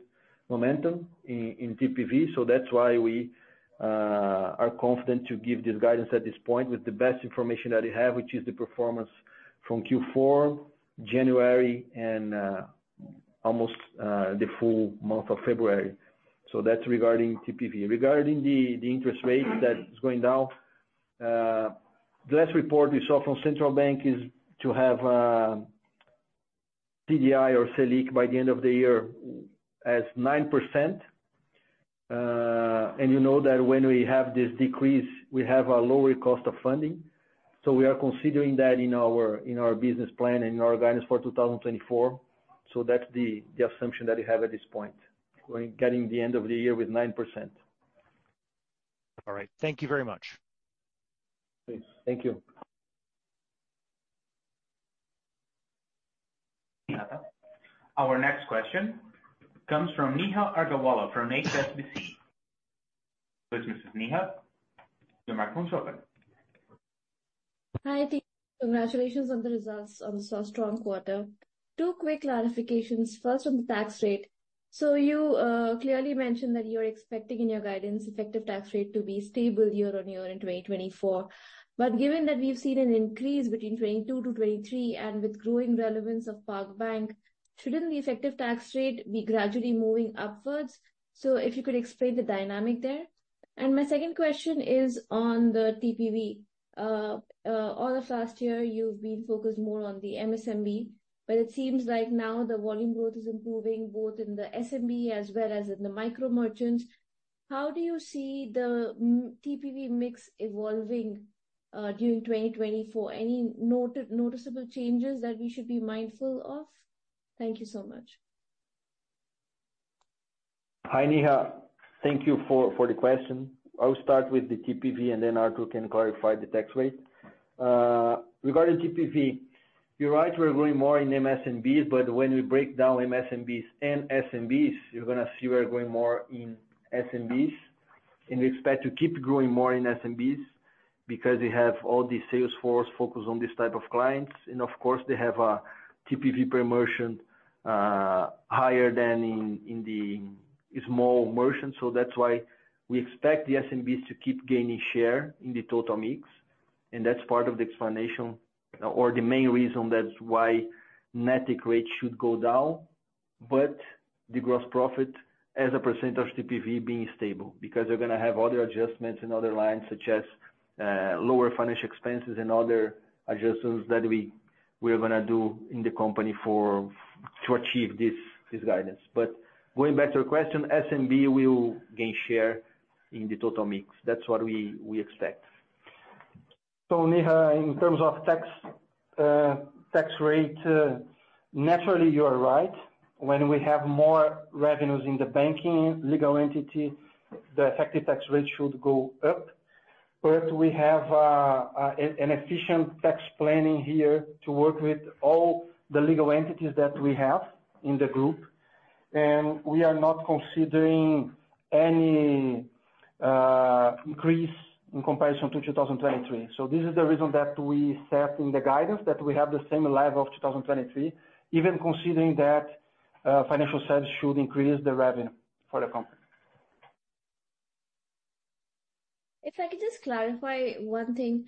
momentum in TPV. So that's why we are confident to give this guidance at this point with the best information that we have, which is the performance from Q4, January, and almost the full month of February. So that's regarding TPV. Regarding the interest rate that's going down, the last report we saw from Central Bank is to have CDI or SELIC by the end of the year as 9%. You know that when we have this decrease, we have a lower cost of funding. So we are considering that in our business plan and in our guidance for 2024. So that's the assumption that we have at this point, getting the end of the year with 9%. All right. Thank you very much. Thank you. Our next question comes from Neha Agarwala from HSBC. This is Mrs. Neha. Your microphone's open. Hi, thank you. Congratulations on the results on such a strong quarter. Two quick clarifications. First, on the tax rate. So you clearly mentioned that you're expecting in your guidance effective tax rate to be stable year-over-year in 2024. But given that we've seen an increase between 2022 to 2023 and with growing relevance of PagBank, shouldn't the effective tax rate be gradually moving upwards? So if you could explain the dynamic there. And my second question is on the TPV. All of last year, you've been focused more on the MSMB. But it seems like now the volume growth is improving both in the SMB as well as in the micro merchants. How do you see the TPV mix evolving during 2024? Any noticeable changes that we should be mindful of? Thank you so much. Hi, Neha. Thank you for the question. I'll start with the TPV, and then Artur can clarify the tax rate. Regarding TPV, you're right. We're growing more in MSMBs. But when we break down MSMBs and SMBs, you're going to see we're growing more in SMBs. And we expect to keep growing more in SMBs because we have all this sales force focused on this type of clients. And of course, they have a TPV per merchant higher than in the small merchants. So that's why we expect the SMBs to keep gaining share in the total mix. That's part of the explanation or the main reason that's why net take rate should go down, but the gross profit as a percentage TPV being stable because we're going to have other adjustments in other lines such as lower financial expenses and other adjustments that we are going to do in the company to achieve this guidance. Going back to your question, SMB will gain share in the total mix. That's what we expect. Neha, in terms of tax rate, naturally, you are right. When we have more revenues in the banking legal entity, the effective tax rate should go up. But we have an efficient tax planning here to work with all the legal entities that we have in the group. And we are not considering any increase in comparison to 2023. So this is the reason that we set in the guidance that we have the same level of 2023, even considering that financial service should increase the revenue for the company. If I could just clarify one thing.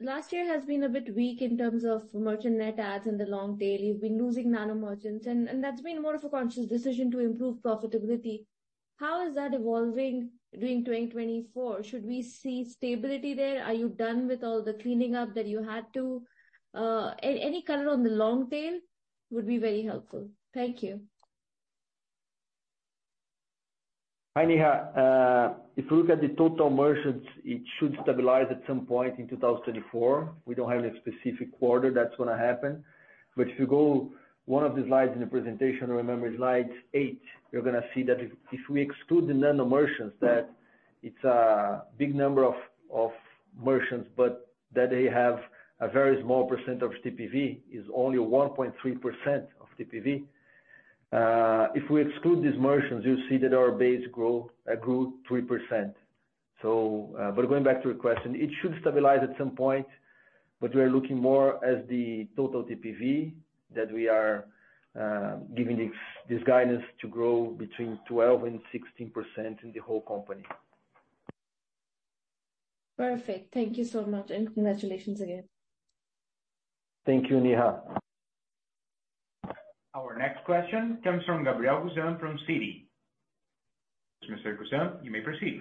Last year has been a bit weak in terms of merchant net adds and the long tail. You've been losing nano merchants. That's been more of a conscious decision to improve profitability. How is that evolving during 2024? Should we see stability there? Are you done with all the cleaning up that you had to? Any color on the long tail would be very helpful. Thank you. Hi, Neha. If we look at the total merchants, it should stabilize at some point in 2024. We don't have any specific quarter that's going to happen. But if you go one of the slides in the presentation, remember, slide 8, you're going to see that if we exclude the nano merchants, that it's a big number of merchants, but that they have a very small percentage of TPV. It's only 1.3% of TPV. If we exclude these merchants, you'll see that our base grew 3%. But going back to your question, it should stabilize at some point. But we are looking more at the total TPV that we are giving this guidance to grow between 12%-16% in the whole company. Perfect. Thank you so much. Congratulations again. Thank you, Neha. Our next question comes from Gabriel Gusan from Citi. Mr. Gusan, you may proceed.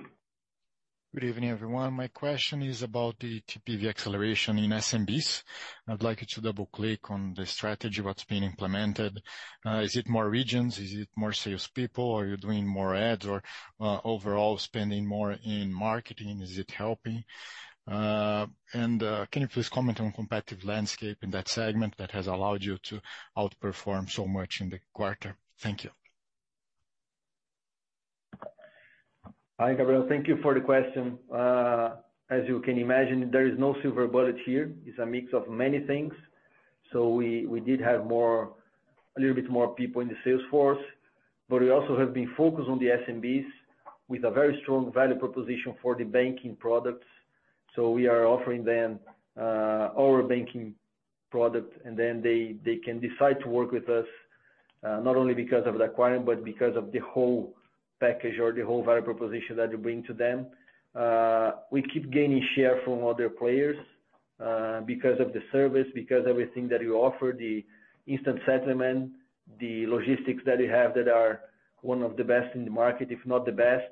Good evening, everyone. My question is about the TPV acceleration in SMBs. I'd like you to double-click on the strategy, what's being implemented. Is it more regions? Is it more salespeople? Are you doing more ads? Or overall, spending more in marketing, is it helping? And can you please comment on the competitive landscape in that segment that has allowed you to outperform so much in the quarter? Thank you. Hi, Gabriel. Thank you for the question. As you can imagine, there is no silver bullet here. It's a mix of many things. So we did have a little bit more people in the sales force. But we also have been focused on the SMBs with a very strong value proposition for the banking products. So we are offering them our banking product. And then they can decide to work with us not only because of the acquiring but because of the whole package or the whole value proposition that you bring to them. We keep gaining share from other players because of the service, because of everything that you offer, the instant settlement, the logistics that you have that are one of the best in the market, if not the best.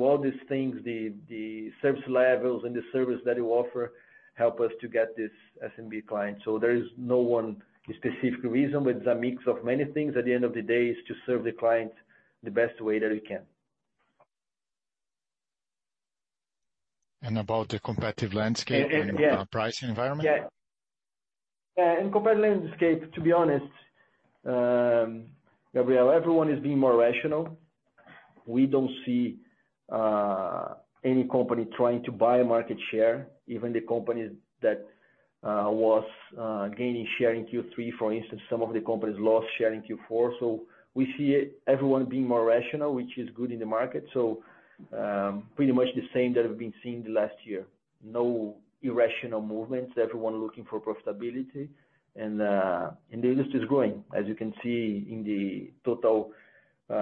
All these things, the service levels and the service that you offer, help us to get this SMB client. There is no one specific reason. But it's a mix of many things. At the end of the day, it's to serve the client the best way that we can. About the competitive landscape and pricing environment? Yeah. Yeah. In the competitive landscape, to be honest, Gabriel, everyone is being more rational. We don't see any company trying to buy market share, even the companies that were gaining share in Q3. For instance, some of the companies lost share in Q4. So we see everyone being more rational, which is good in the market. So pretty much the same that we've been seeing the last year. No irrational movements. Everyone looking for profitability. And the industry is growing. As you can see in the total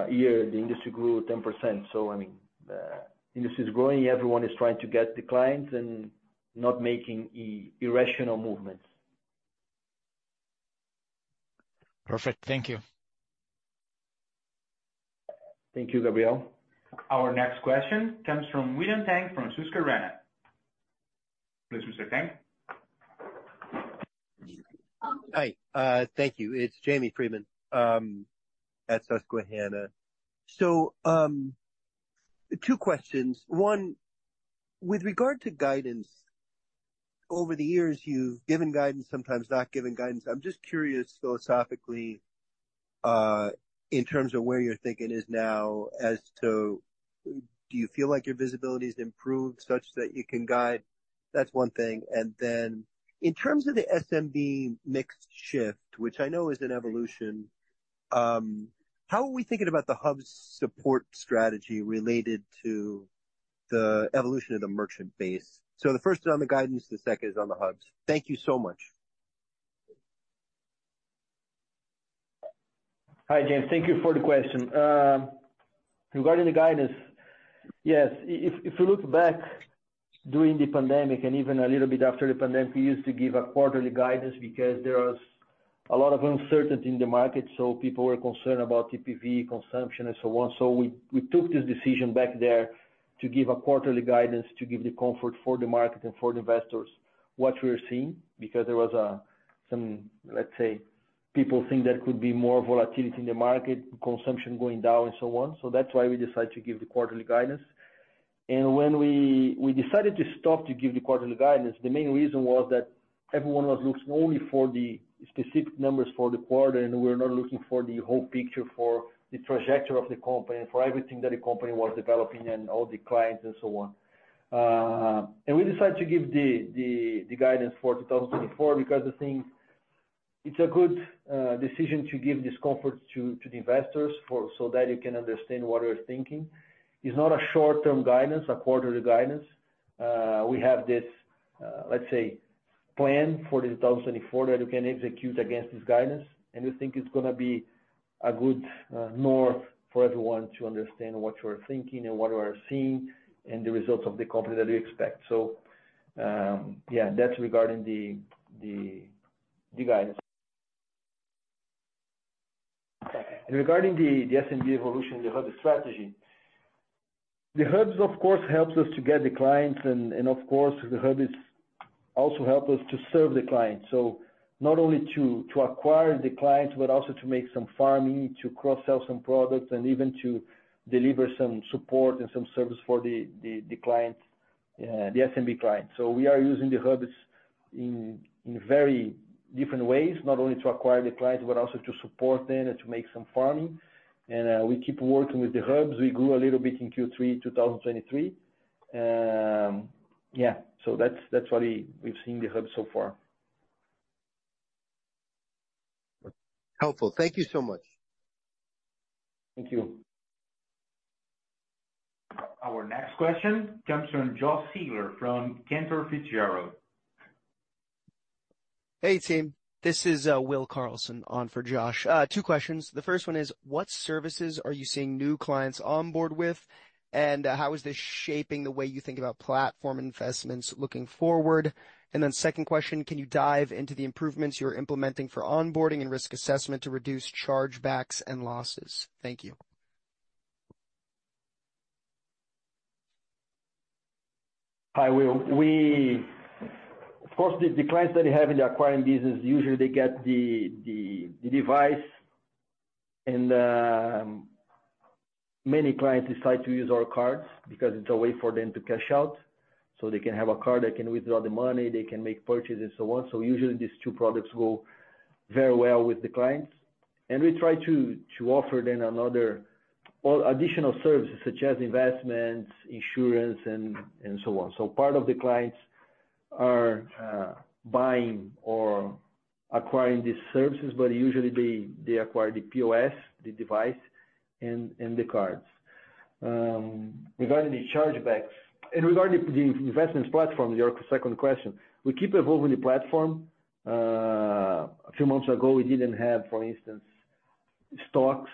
year, the industry grew 10%. So I mean, the industry is growing. Everyone is trying to get the clients and not making irrational movements. Perfect. Thank you. Thank you, Gabriel. Our next question comes from William Tang from Susquehanna. Please, Mr. Tang. Hi. Thank you. It's Jamie Friedman at Susquehanna. So two questions. One, with regard to guidance, over the years, you've given guidance, sometimes not given guidance. I'm just curious philosophically in terms of where your thinking is now as to do you feel like your visibility has improved such that you can guide? That's one thing. And then in terms of the SMB mix shift, which I know is an evolution, how are we thinking about the hubs support strategy related to the evolution of the merchant base? So the first is on the guidance. The second is on the hubs. Thank you so much. Hi, James. Thank you for the question. Regarding the guidance, yes, if you look back during the pandemic and even a little bit after the pandemic, we used to give a quarterly guidance because there was a lot of uncertainty in the market. So people were concerned about TPV, consumption, and so on. So we took this decision back there to give a quarterly guidance to give the comfort for the market and for the investors what we were seeing because there was some let's say, people think that could be more volatility in the market, consumption going down, and so on. So that's why we decided to give the quarterly guidance. When we decided to stop to give the quarterly guidance, the main reason was that everyone was looking only for the specific numbers for the quarter. We were not looking for the whole picture, for the trajectory of the company, for everything that the company was developing and all the clients and so on. We decided to give the guidance for 2024 because I think it's a good decision to give this comfort to the investors so that you can understand what we're thinking. It's not a short-term guidance, a quarterly guidance. We have this, let's say, plan for 2024 that you can execute against this guidance. We think it's going to be a good north for everyone to understand what you are thinking and what you are seeing and the results of the company that you expect. So yeah, that's regarding the guidance. Regarding the SMB evolution, the hub strategy, the hubs, of course, helps us to get the clients. Of course, the hubs also help us to serve the clients, so not only to acquire the clients but also to make some farming, to cross-sell some products, and even to deliver some support and some service for the clients, the SMB clients. We are using the hubs in very different ways, not only to acquire the clients but also to support them and to make some farming. We keep working with the hubs. We grew a little bit in Q3, 2023. Yeah. That's what we've seen in the hubs so far. Helpful. Thank you so much. Thank you. Our next question comes from Josh Siegler from Cantor Fitzgerald. Hey, team. This is Will Carlson on for Josh. Two questions. The first one is, what services are you seeing new clients onboard with? And how is this shaping the way you think about platform investments looking forward? And then second question, can you dive into the improvements you're implementing for onboarding and risk assessment to reduce chargebacks and losses? Thank you. Hi, Will. Of course, the clients that you have in the acquiring business, usually, they get the device. And many clients decide to use our cards because it's a way for them to cash out. So they can have a card. They can withdraw the money. They can make purchases and so on. So usually, these two products go very well with the clients. And we try to offer them another additional service such as investments, insurance, and so on. So part of the clients are buying or acquiring these services. But usually, they acquire the POS, the device, and the cards. Regarding the chargebacks and regarding the investments platform, your second question, we keep evolving the platform. A few months ago, we didn't have, for instance, stocks.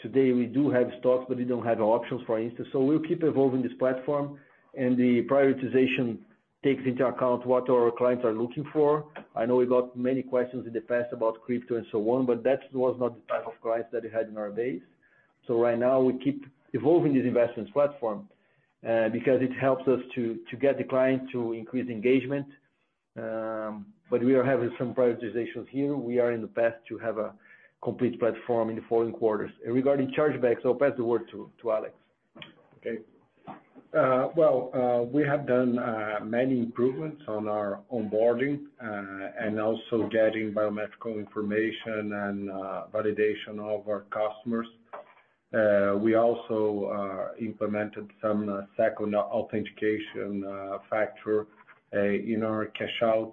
Today, we do have stocks, but we don't have options, for instance. So we'll keep evolving this platform. The prioritization takes into account what our clients are looking for. I know we got many questions in the past about crypto and so on. That was not the type of clients that we had in our base. Right now, we keep evolving this investments platform because it helps us to get the client to increase engagement. We are having some prioritizations here. We are in the path to have a complete platform in the following quarters. Regarding chargebacks, I'll pass the word to Alex. Okay. Well, we have done many improvements on our onboarding and also getting biometric information and validation of our customers. We also implemented some second authentication factor in our cash out.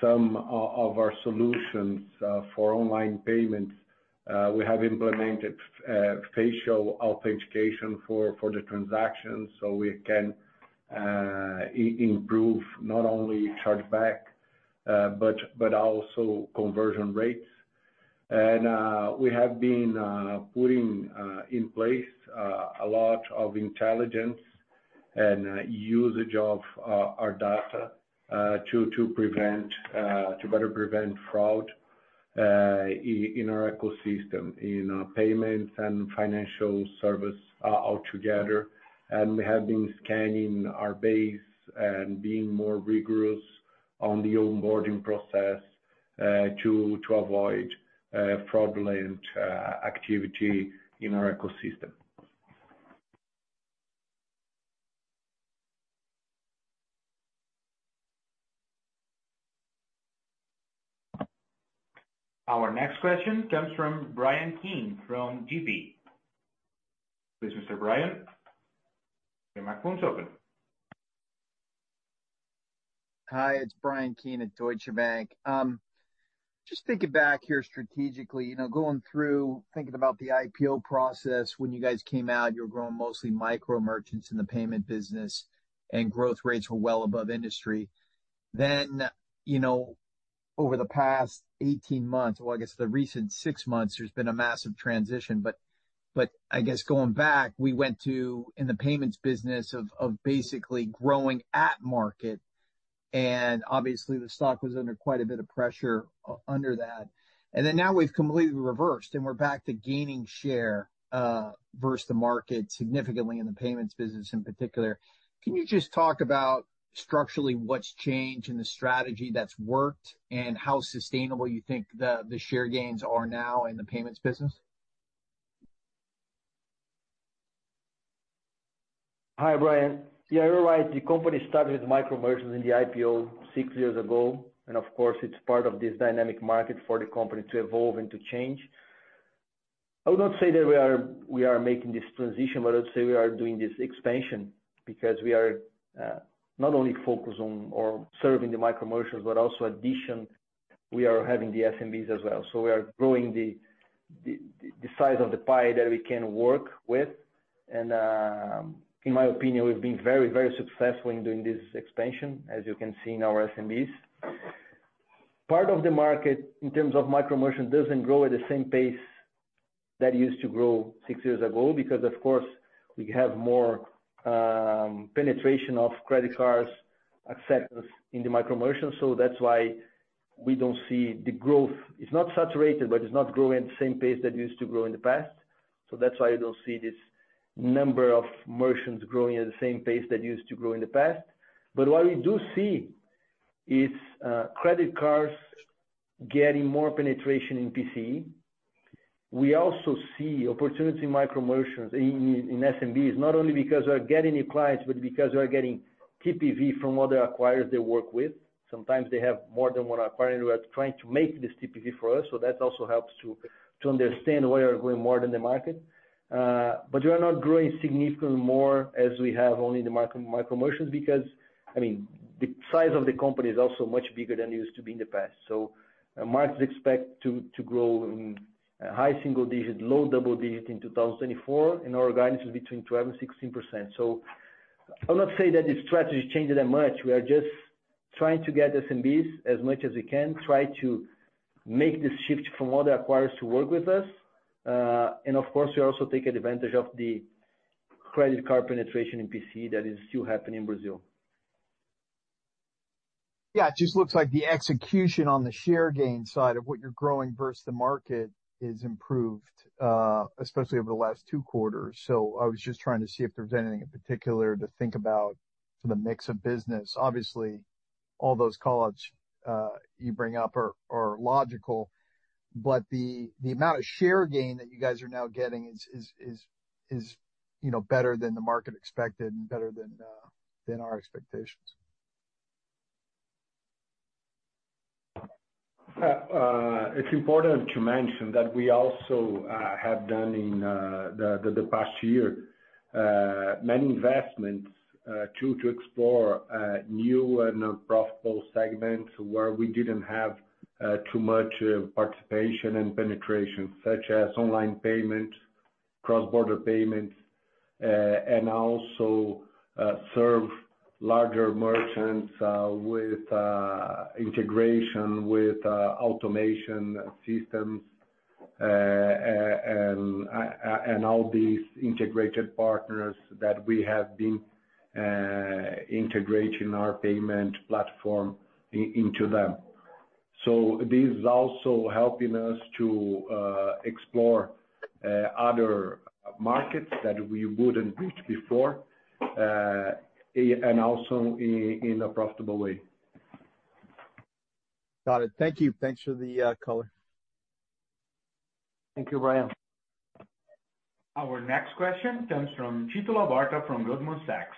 Some of our solutions for online payments, we have implemented facial authentication for the transactions so we can improve not only chargeback but also conversion rates. And we have been putting in place a lot of intelligence and usage of our data to better prevent fraud in our ecosystem, in payments and financial service altogether. And we have been scanning our base and being more rigorous on the onboarding process to avoid fraudulent activity in our ecosystem. Our next question comes from Brian Keane from Deutsche Bank. Please, Mr. Brian. Your microphone's open. Hi. It's Brian Keane at Deutsche Bank. Just thinking back here strategically, going through, thinking about the IPO process, when you guys came out, you were growing mostly micro merchants in the payment business. And growth rates were well above industry. Then over the past 18 months, well, I guess the recent six months, there's been a massive transition. But I guess going back, we went to in the payments business of basically growing at market. And obviously, the stock was under quite a bit of pressure under that. And then now, we've completely reversed. And we're back to gaining share versus the market significantly in the payments business in particular. Can you just talk about structurally what's changed in the strategy that's worked and how sustainable you think the share gains are now in the payments business? Hi, Brian. Yeah, you're right. The company started with micro merchants in the IPO six years ago. Of course, it's part of this dynamic market for the company to evolve and to change. I would not say that we are making this transition. But I would say we are doing this expansion because we are not only focused on serving the micro merchants but also addition, we are having the SMBs as well. So we are growing the size of the pie that we can work with. And in my opinion, we've been very, very successful in doing this expansion, as you can see in our SMBs. Part of the market in terms of micro merchant doesn't grow at the same pace that used to grow 6 years ago because, of course, we have more penetration of credit cards acceptance in the micro merchant. So that's why we don't see the growth. It's not saturated. But it's not growing at the same pace that used to grow in the past. So that's why you don't see this number of merchants growing at the same pace that used to grow in the past. But what we do see is credit cards getting more penetration in PCE. We also see opportunity in micro merchants in SMBs not only because we are getting new clients but because we are getting TPV from other acquirers they work with. Sometimes, they have more than one acquirer. And we are trying to make this TPV for us. So that also helps to understand why we are growing more than the market. But we are not growing significantly more as we have only in the micro merchants because, I mean, the size of the company is also much bigger than it used to be in the past. So markets expect to grow in high single digit, low double digit in 2024. And our guidance is between 12% and 16%. So I would not say that the strategy changed that much. We are just trying to get SMBs as much as we can, try to make this shift from other acquirers to work with us. And of course, we also take advantage of the credit card penetration in PCE that is still happening in Brazil. Yeah. It just looks like the execution on the share gain side of what you're growing versus the market is improved, especially over the last two quarters. So I was just trying to see if there was anything in particular to think about for the mix of business. Obviously, all those callouts you bring up are logical. But the amount of share gain that you guys are now getting is better than the market expected and better than our expectations. It's important to mention that we also have done in the past year many investments to explore new and profitable segments where we didn't have too much participation and penetration, such as online payments, cross-border payments, and also serve larger merchants with integration with automation systems and all these integrated partners that we have been integrating our payment platform into them. So this is also helping us to explore other markets that we wouldn't reach before and also in a profitable way. Got it. Thank you. Thanks for the caller. Thank you, Brian. Our next question comes from Tito Labarta from Goldman Sachs.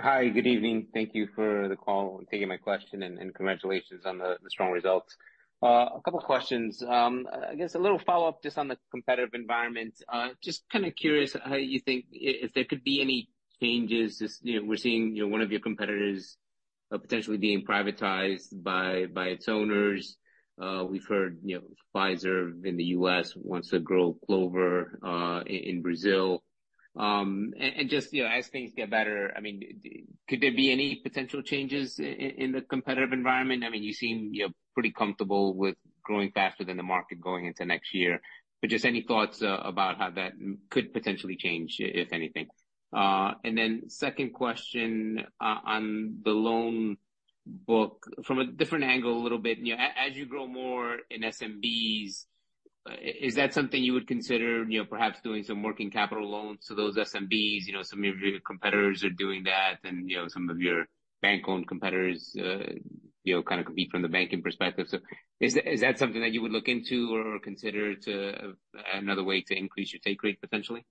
Hi. Good evening. Thank you for the call and taking my question. Congratulations on the strong results. A couple of questions. I guess a little follow-up just on the competitive environment. Just kind of curious how you think if there could be any changes. We're seeing one of your competitors potentially being privatized by its owners. We've heard Fiserv in the US wants to grow Clover in Brazil. Just as things get better, I mean, could there be any potential changes in the competitive environment? I mean, you seem pretty comfortable with growing faster than the market going into next year. Just any thoughts about how that could potentially change, if anything? Then second question on the loan book from a different angle a little bit. As you grow more in SMBs, is that something you would consider perhaps doing some working capital loans to those SMBs? Some of your competitors are doing that. Some of your bank-owned competitors kind of compete from the banking perspective. Is that something that you would look into or consider another way to increase your take rate, potentially?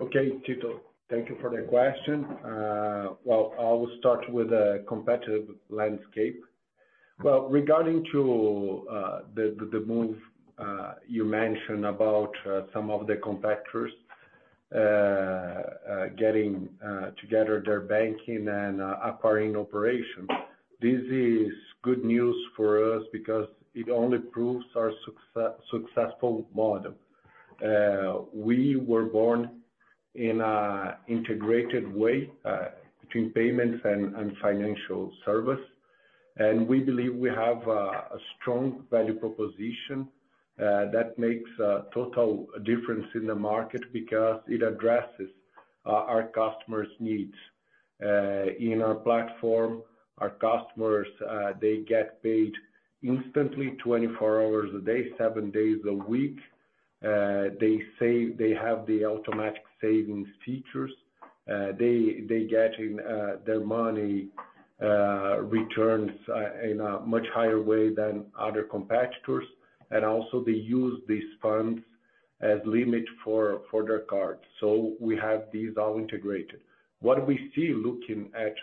Okay, Tito, thank you for the question. Well, I will start with the competitive landscape. Well, regarding to the move you mentioned about some of the competitors getting together their banking and acquiring operations, this is good news for us because it only proves our successful model. We were born in an integrated way between payments and financial service. We believe we have a strong value proposition that makes a total difference in the market because it addresses our customers' needs. In our platform, our customers, they get paid instantly 24 hours a day, seven days a week. They have the automatic savings features. They get their money returned in a much higher way than other competitors. And also, they use these funds as limit for their cards. So we have these all integrated. What we see looking at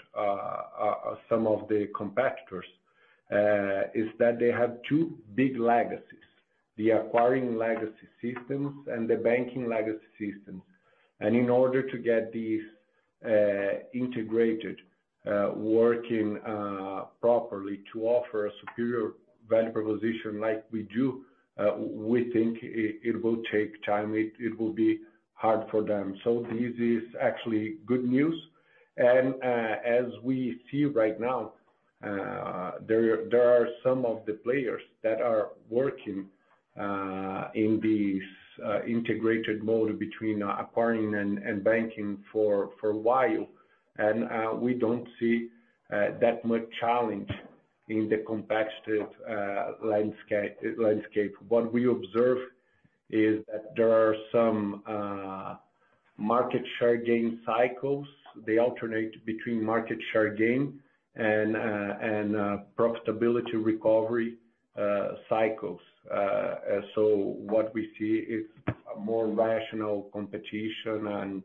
some of the competitors is that they have two big legacies, the acquiring legacy systems and the banking legacy systems. In order to get these integrated, working properly to offer a superior value proposition like we do, we think it will take time. It will be hard for them. This is actually good news. As we see right now, there are some of the players that are working in this integrated mode between acquiring and banking for a while. We don't see that much challenge in the competitive landscape. What we observe is that there are some market share gain cycles. They alternate between market share gain and profitability recovery cycles. What we see is more rational competition.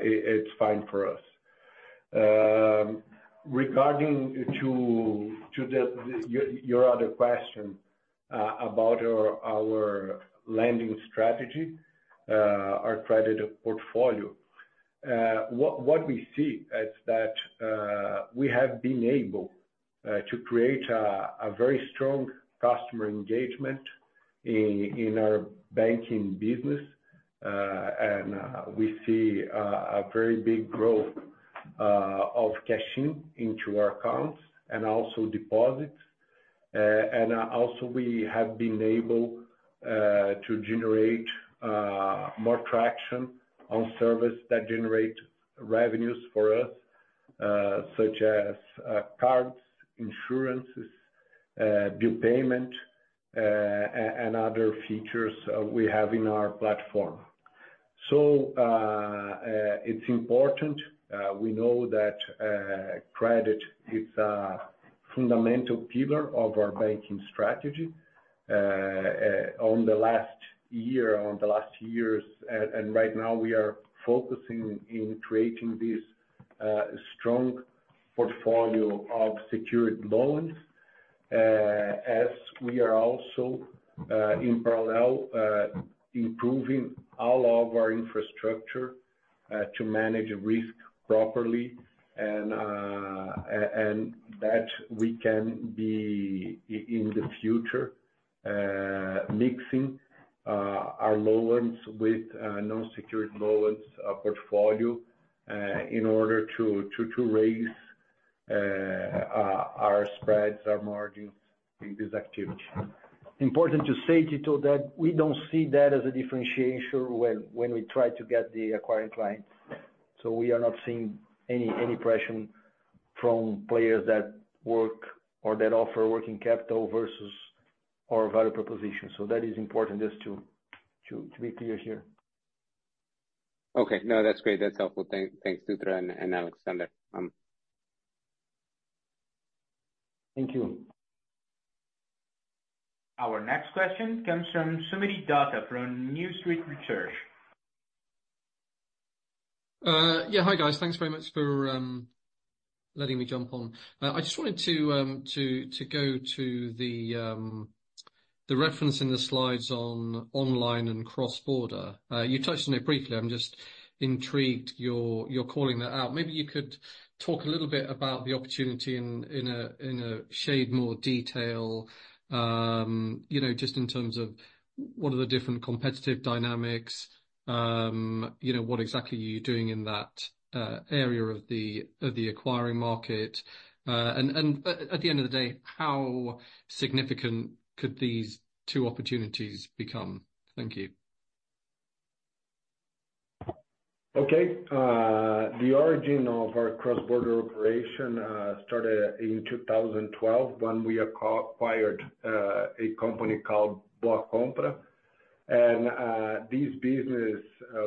It's fine for us. Regarding your other question about our lending strategy, our credit portfolio, what we see is that we have been able to create a very strong customer engagement in our banking business. We see a very big growth of cash-in into our accounts and also deposits. Also, we have been able to generate more traction on services that generate revenues for us, such as cards, insurances, bill payment, and other features we have in our platform. So it's important. We know that credit is a fundamental pillar of our banking strategy in the last year, in the last years. Right now, we are focusing in creating this strong portfolio of secured loans as we are also, in parallel, improving all of our infrastructure to manage risk properly and that we can be, in the future, mixing our loans with unsecured loans portfolio in order to raise our spreads, our margins in this activity. Important to say, Tito, that we don't see that as a differentiator when we try to get the acquiring clients. So we are not seeing any pressure from players that work or that offer working capital versus our value proposition. So that is important just to be clear here. Okay. No, that's great. That's helpful. Thanks, Dutra and Alex. Thank you. Our next question comes from Soomit Datta from New Street Research. Yeah. Hi, guys. Thanks very much for letting me jump on. I just wanted to go to the reference in the slides on online and cross-border. You touched on it briefly. I'm just intrigued you're calling that out. Maybe you could talk a little bit about the opportunity in a shade more detail, just in terms of what are the different competitive dynamics, what exactly are you doing in that area of the acquiring market? And at the end of the day, how significant could these two opportunities become? Thank you. Okay. The origin of our cross-border operation started in 2012 when we acquired a company called Boa Compra.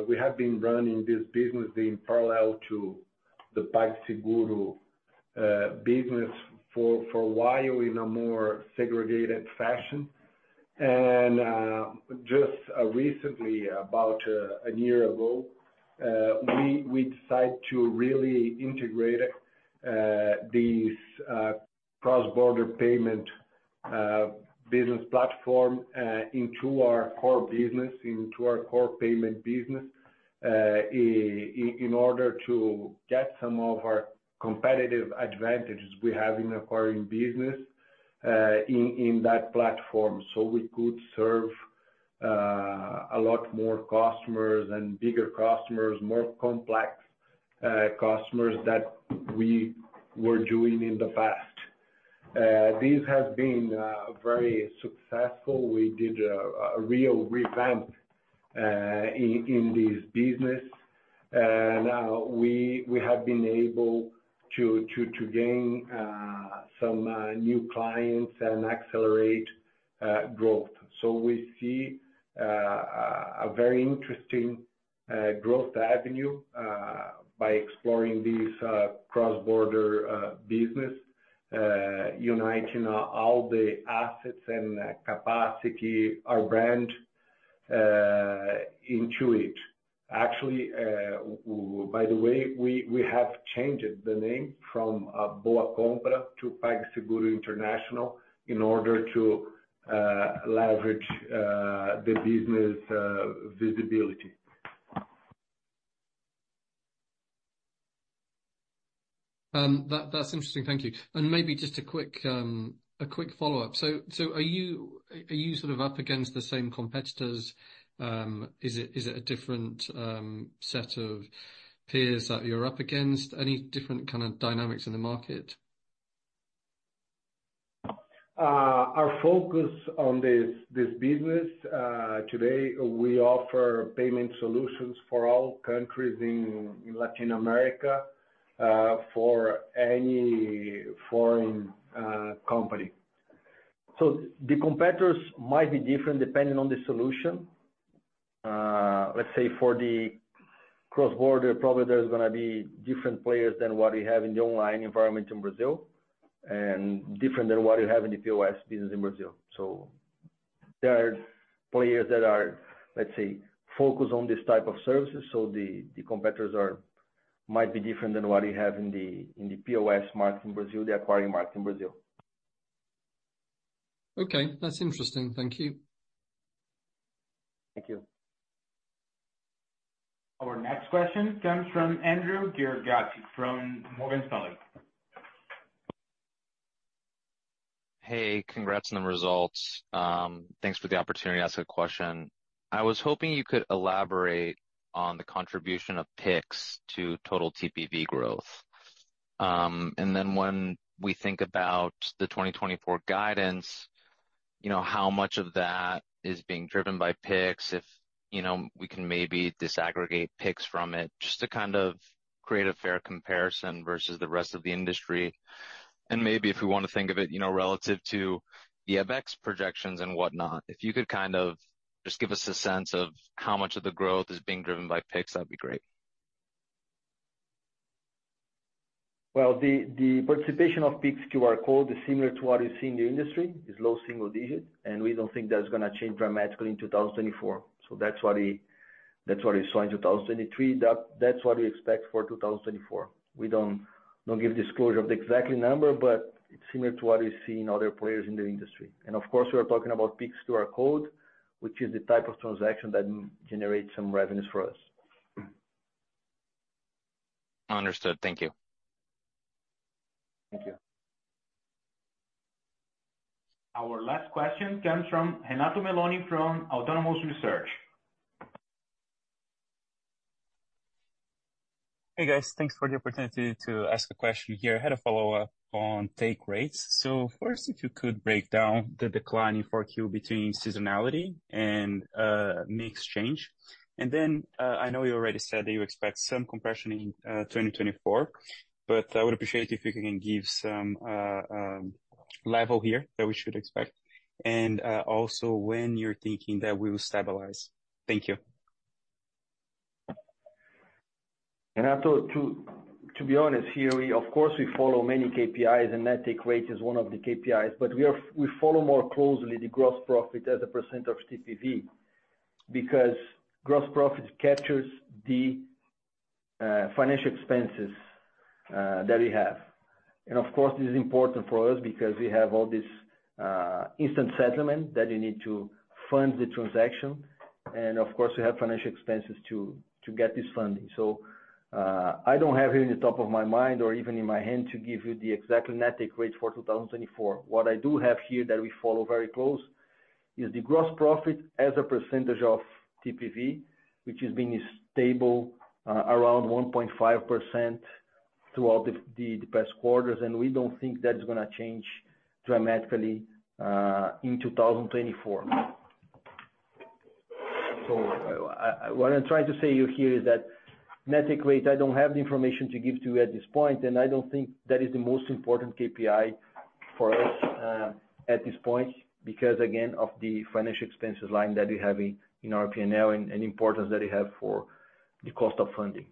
We have been running this business in parallel to the PagSeguro business for a while in a more segregated fashion. Just recently, about a year ago, we decided to really integrate this cross-border payment business platform into our core business, into our core payment business, in order to get some of our competitive advantages we have in acquiring business in that platform so we could serve a lot more customers and bigger customers, more complex customers than we were doing in the past. This has been very successful. We did a real revamp in this business. Now, we have been able to gain some new clients and accelerate growth. So we see a very interesting growth avenue by exploring this cross-border business, uniting all the assets and capacity, our brand into it. Actually, by the way, we have changed the name from Boa Compra to PagSeguro International in order to leverage the business visibility. That's interesting. Thank you. And maybe just a quick follow-up. So are you sort of up against the same competitors? Is it a different set of peers that you're up against? Any different kind of dynamics in the market? Our focus on this business today, we offer payment solutions for all countries in Latin America for any foreign company. So the competitors might be different depending on the solution. Let's say, for the cross-border, probably there's going to be different players than what you have in the online environment in Brazil and different than what you have in the POS business in Brazil. So there are players that are, let's say, focused on this type of services. So the competitors might be different than what you have in the POS market in Brazil, the acquiring market in Brazil. Okay. That's interesting. Thank you. Thank you. Our next question comes from Andrew Girgachi from Morgan Stanley. Hey. Congrats on the results. Thanks for the opportunity to ask a question. I was hoping you could elaborate on the contribution of PIX to total TPV growth. And then when we think about the 2024 guidance, how much of that is being driven by PIX if we can maybe disaggregate PIX from it just to kind of create a fair comparison versus the rest of the industry? And maybe if we want to think of it relative to the EBITDA projections and whatnot, if you could kind of just give us a sense of how much of the growth is being driven by PIX, that'd be great. Well, the participation of PIX QR Code is similar to what you see in the industry. It's low single digit. We don't think that's going to change dramatically in 2024. That's what we saw in 2023. That's what we expect for 2024. We don't give disclosure of the exact number, but it's similar to what we see in other players in the industry. Of course, we are talking about PIX QR Code, which is the type of transaction that generates some revenues for us. Understood. Thank you. Thank you. Our last question comes from Renato Meloni from Autonomous Research. Hey, guys. Thanks for the opportunity to ask a question here. I had a follow-up on take rates. So first, if you could break down the decline in 4Q between seasonality and mixed change. And then I know you already said that you expect some compression in 2024, but I would appreciate it if you can give some level here that we should expect and also when you're thinking that we will stabilize. Thank you. Renato, to be honest here, of course, we follow many KPIs. Net take rate is one of the KPIs. But we follow more closely the gross profit as a percent of TPV because gross profit captures the financial expenses that we have. Of course, this is important for us because we have all this instant settlement that you need to fund the transaction. Of course, we have financial expenses to get this funding. I don't have here in the top of my mind or even in my hand to give you the exactly net take rate for 2024. What I do have here that we follow very close is the gross profit as a percentage of TPV, which has been stable around 1.5% throughout the past quarters. We don't think that's going to change dramatically in 2024. What I'm trying to say here is that Net Take Rate, I don't have the information to give to you at this point. I don't think that is the most important KPI for us at this point because, again, of the financial expenses line that we have in our P&L and importance that it has for the cost of funding.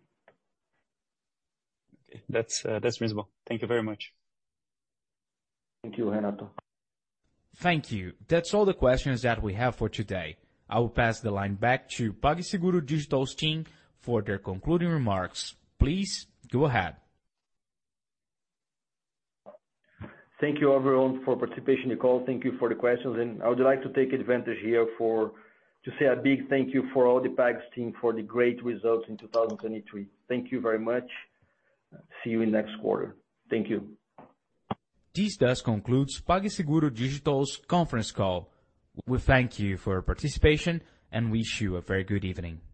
Okay. That's reasonable. Thank you very much. Thank you, Renato. Thank you. That's all the questions that we have for today. I will pass the line back to PagSeguro Digital's team for their concluding remarks. Please go ahead. Thank you, everyone, for participation in the call. Thank you for the questions. I would like to take advantage here to say a big thank you for all the PagSeguro team for the great results in 2023. Thank you very much. See you in next quarter. Thank you. This does conclude PagSeguro Digital's conference call. We thank you for your participation. We wish you a very good evening.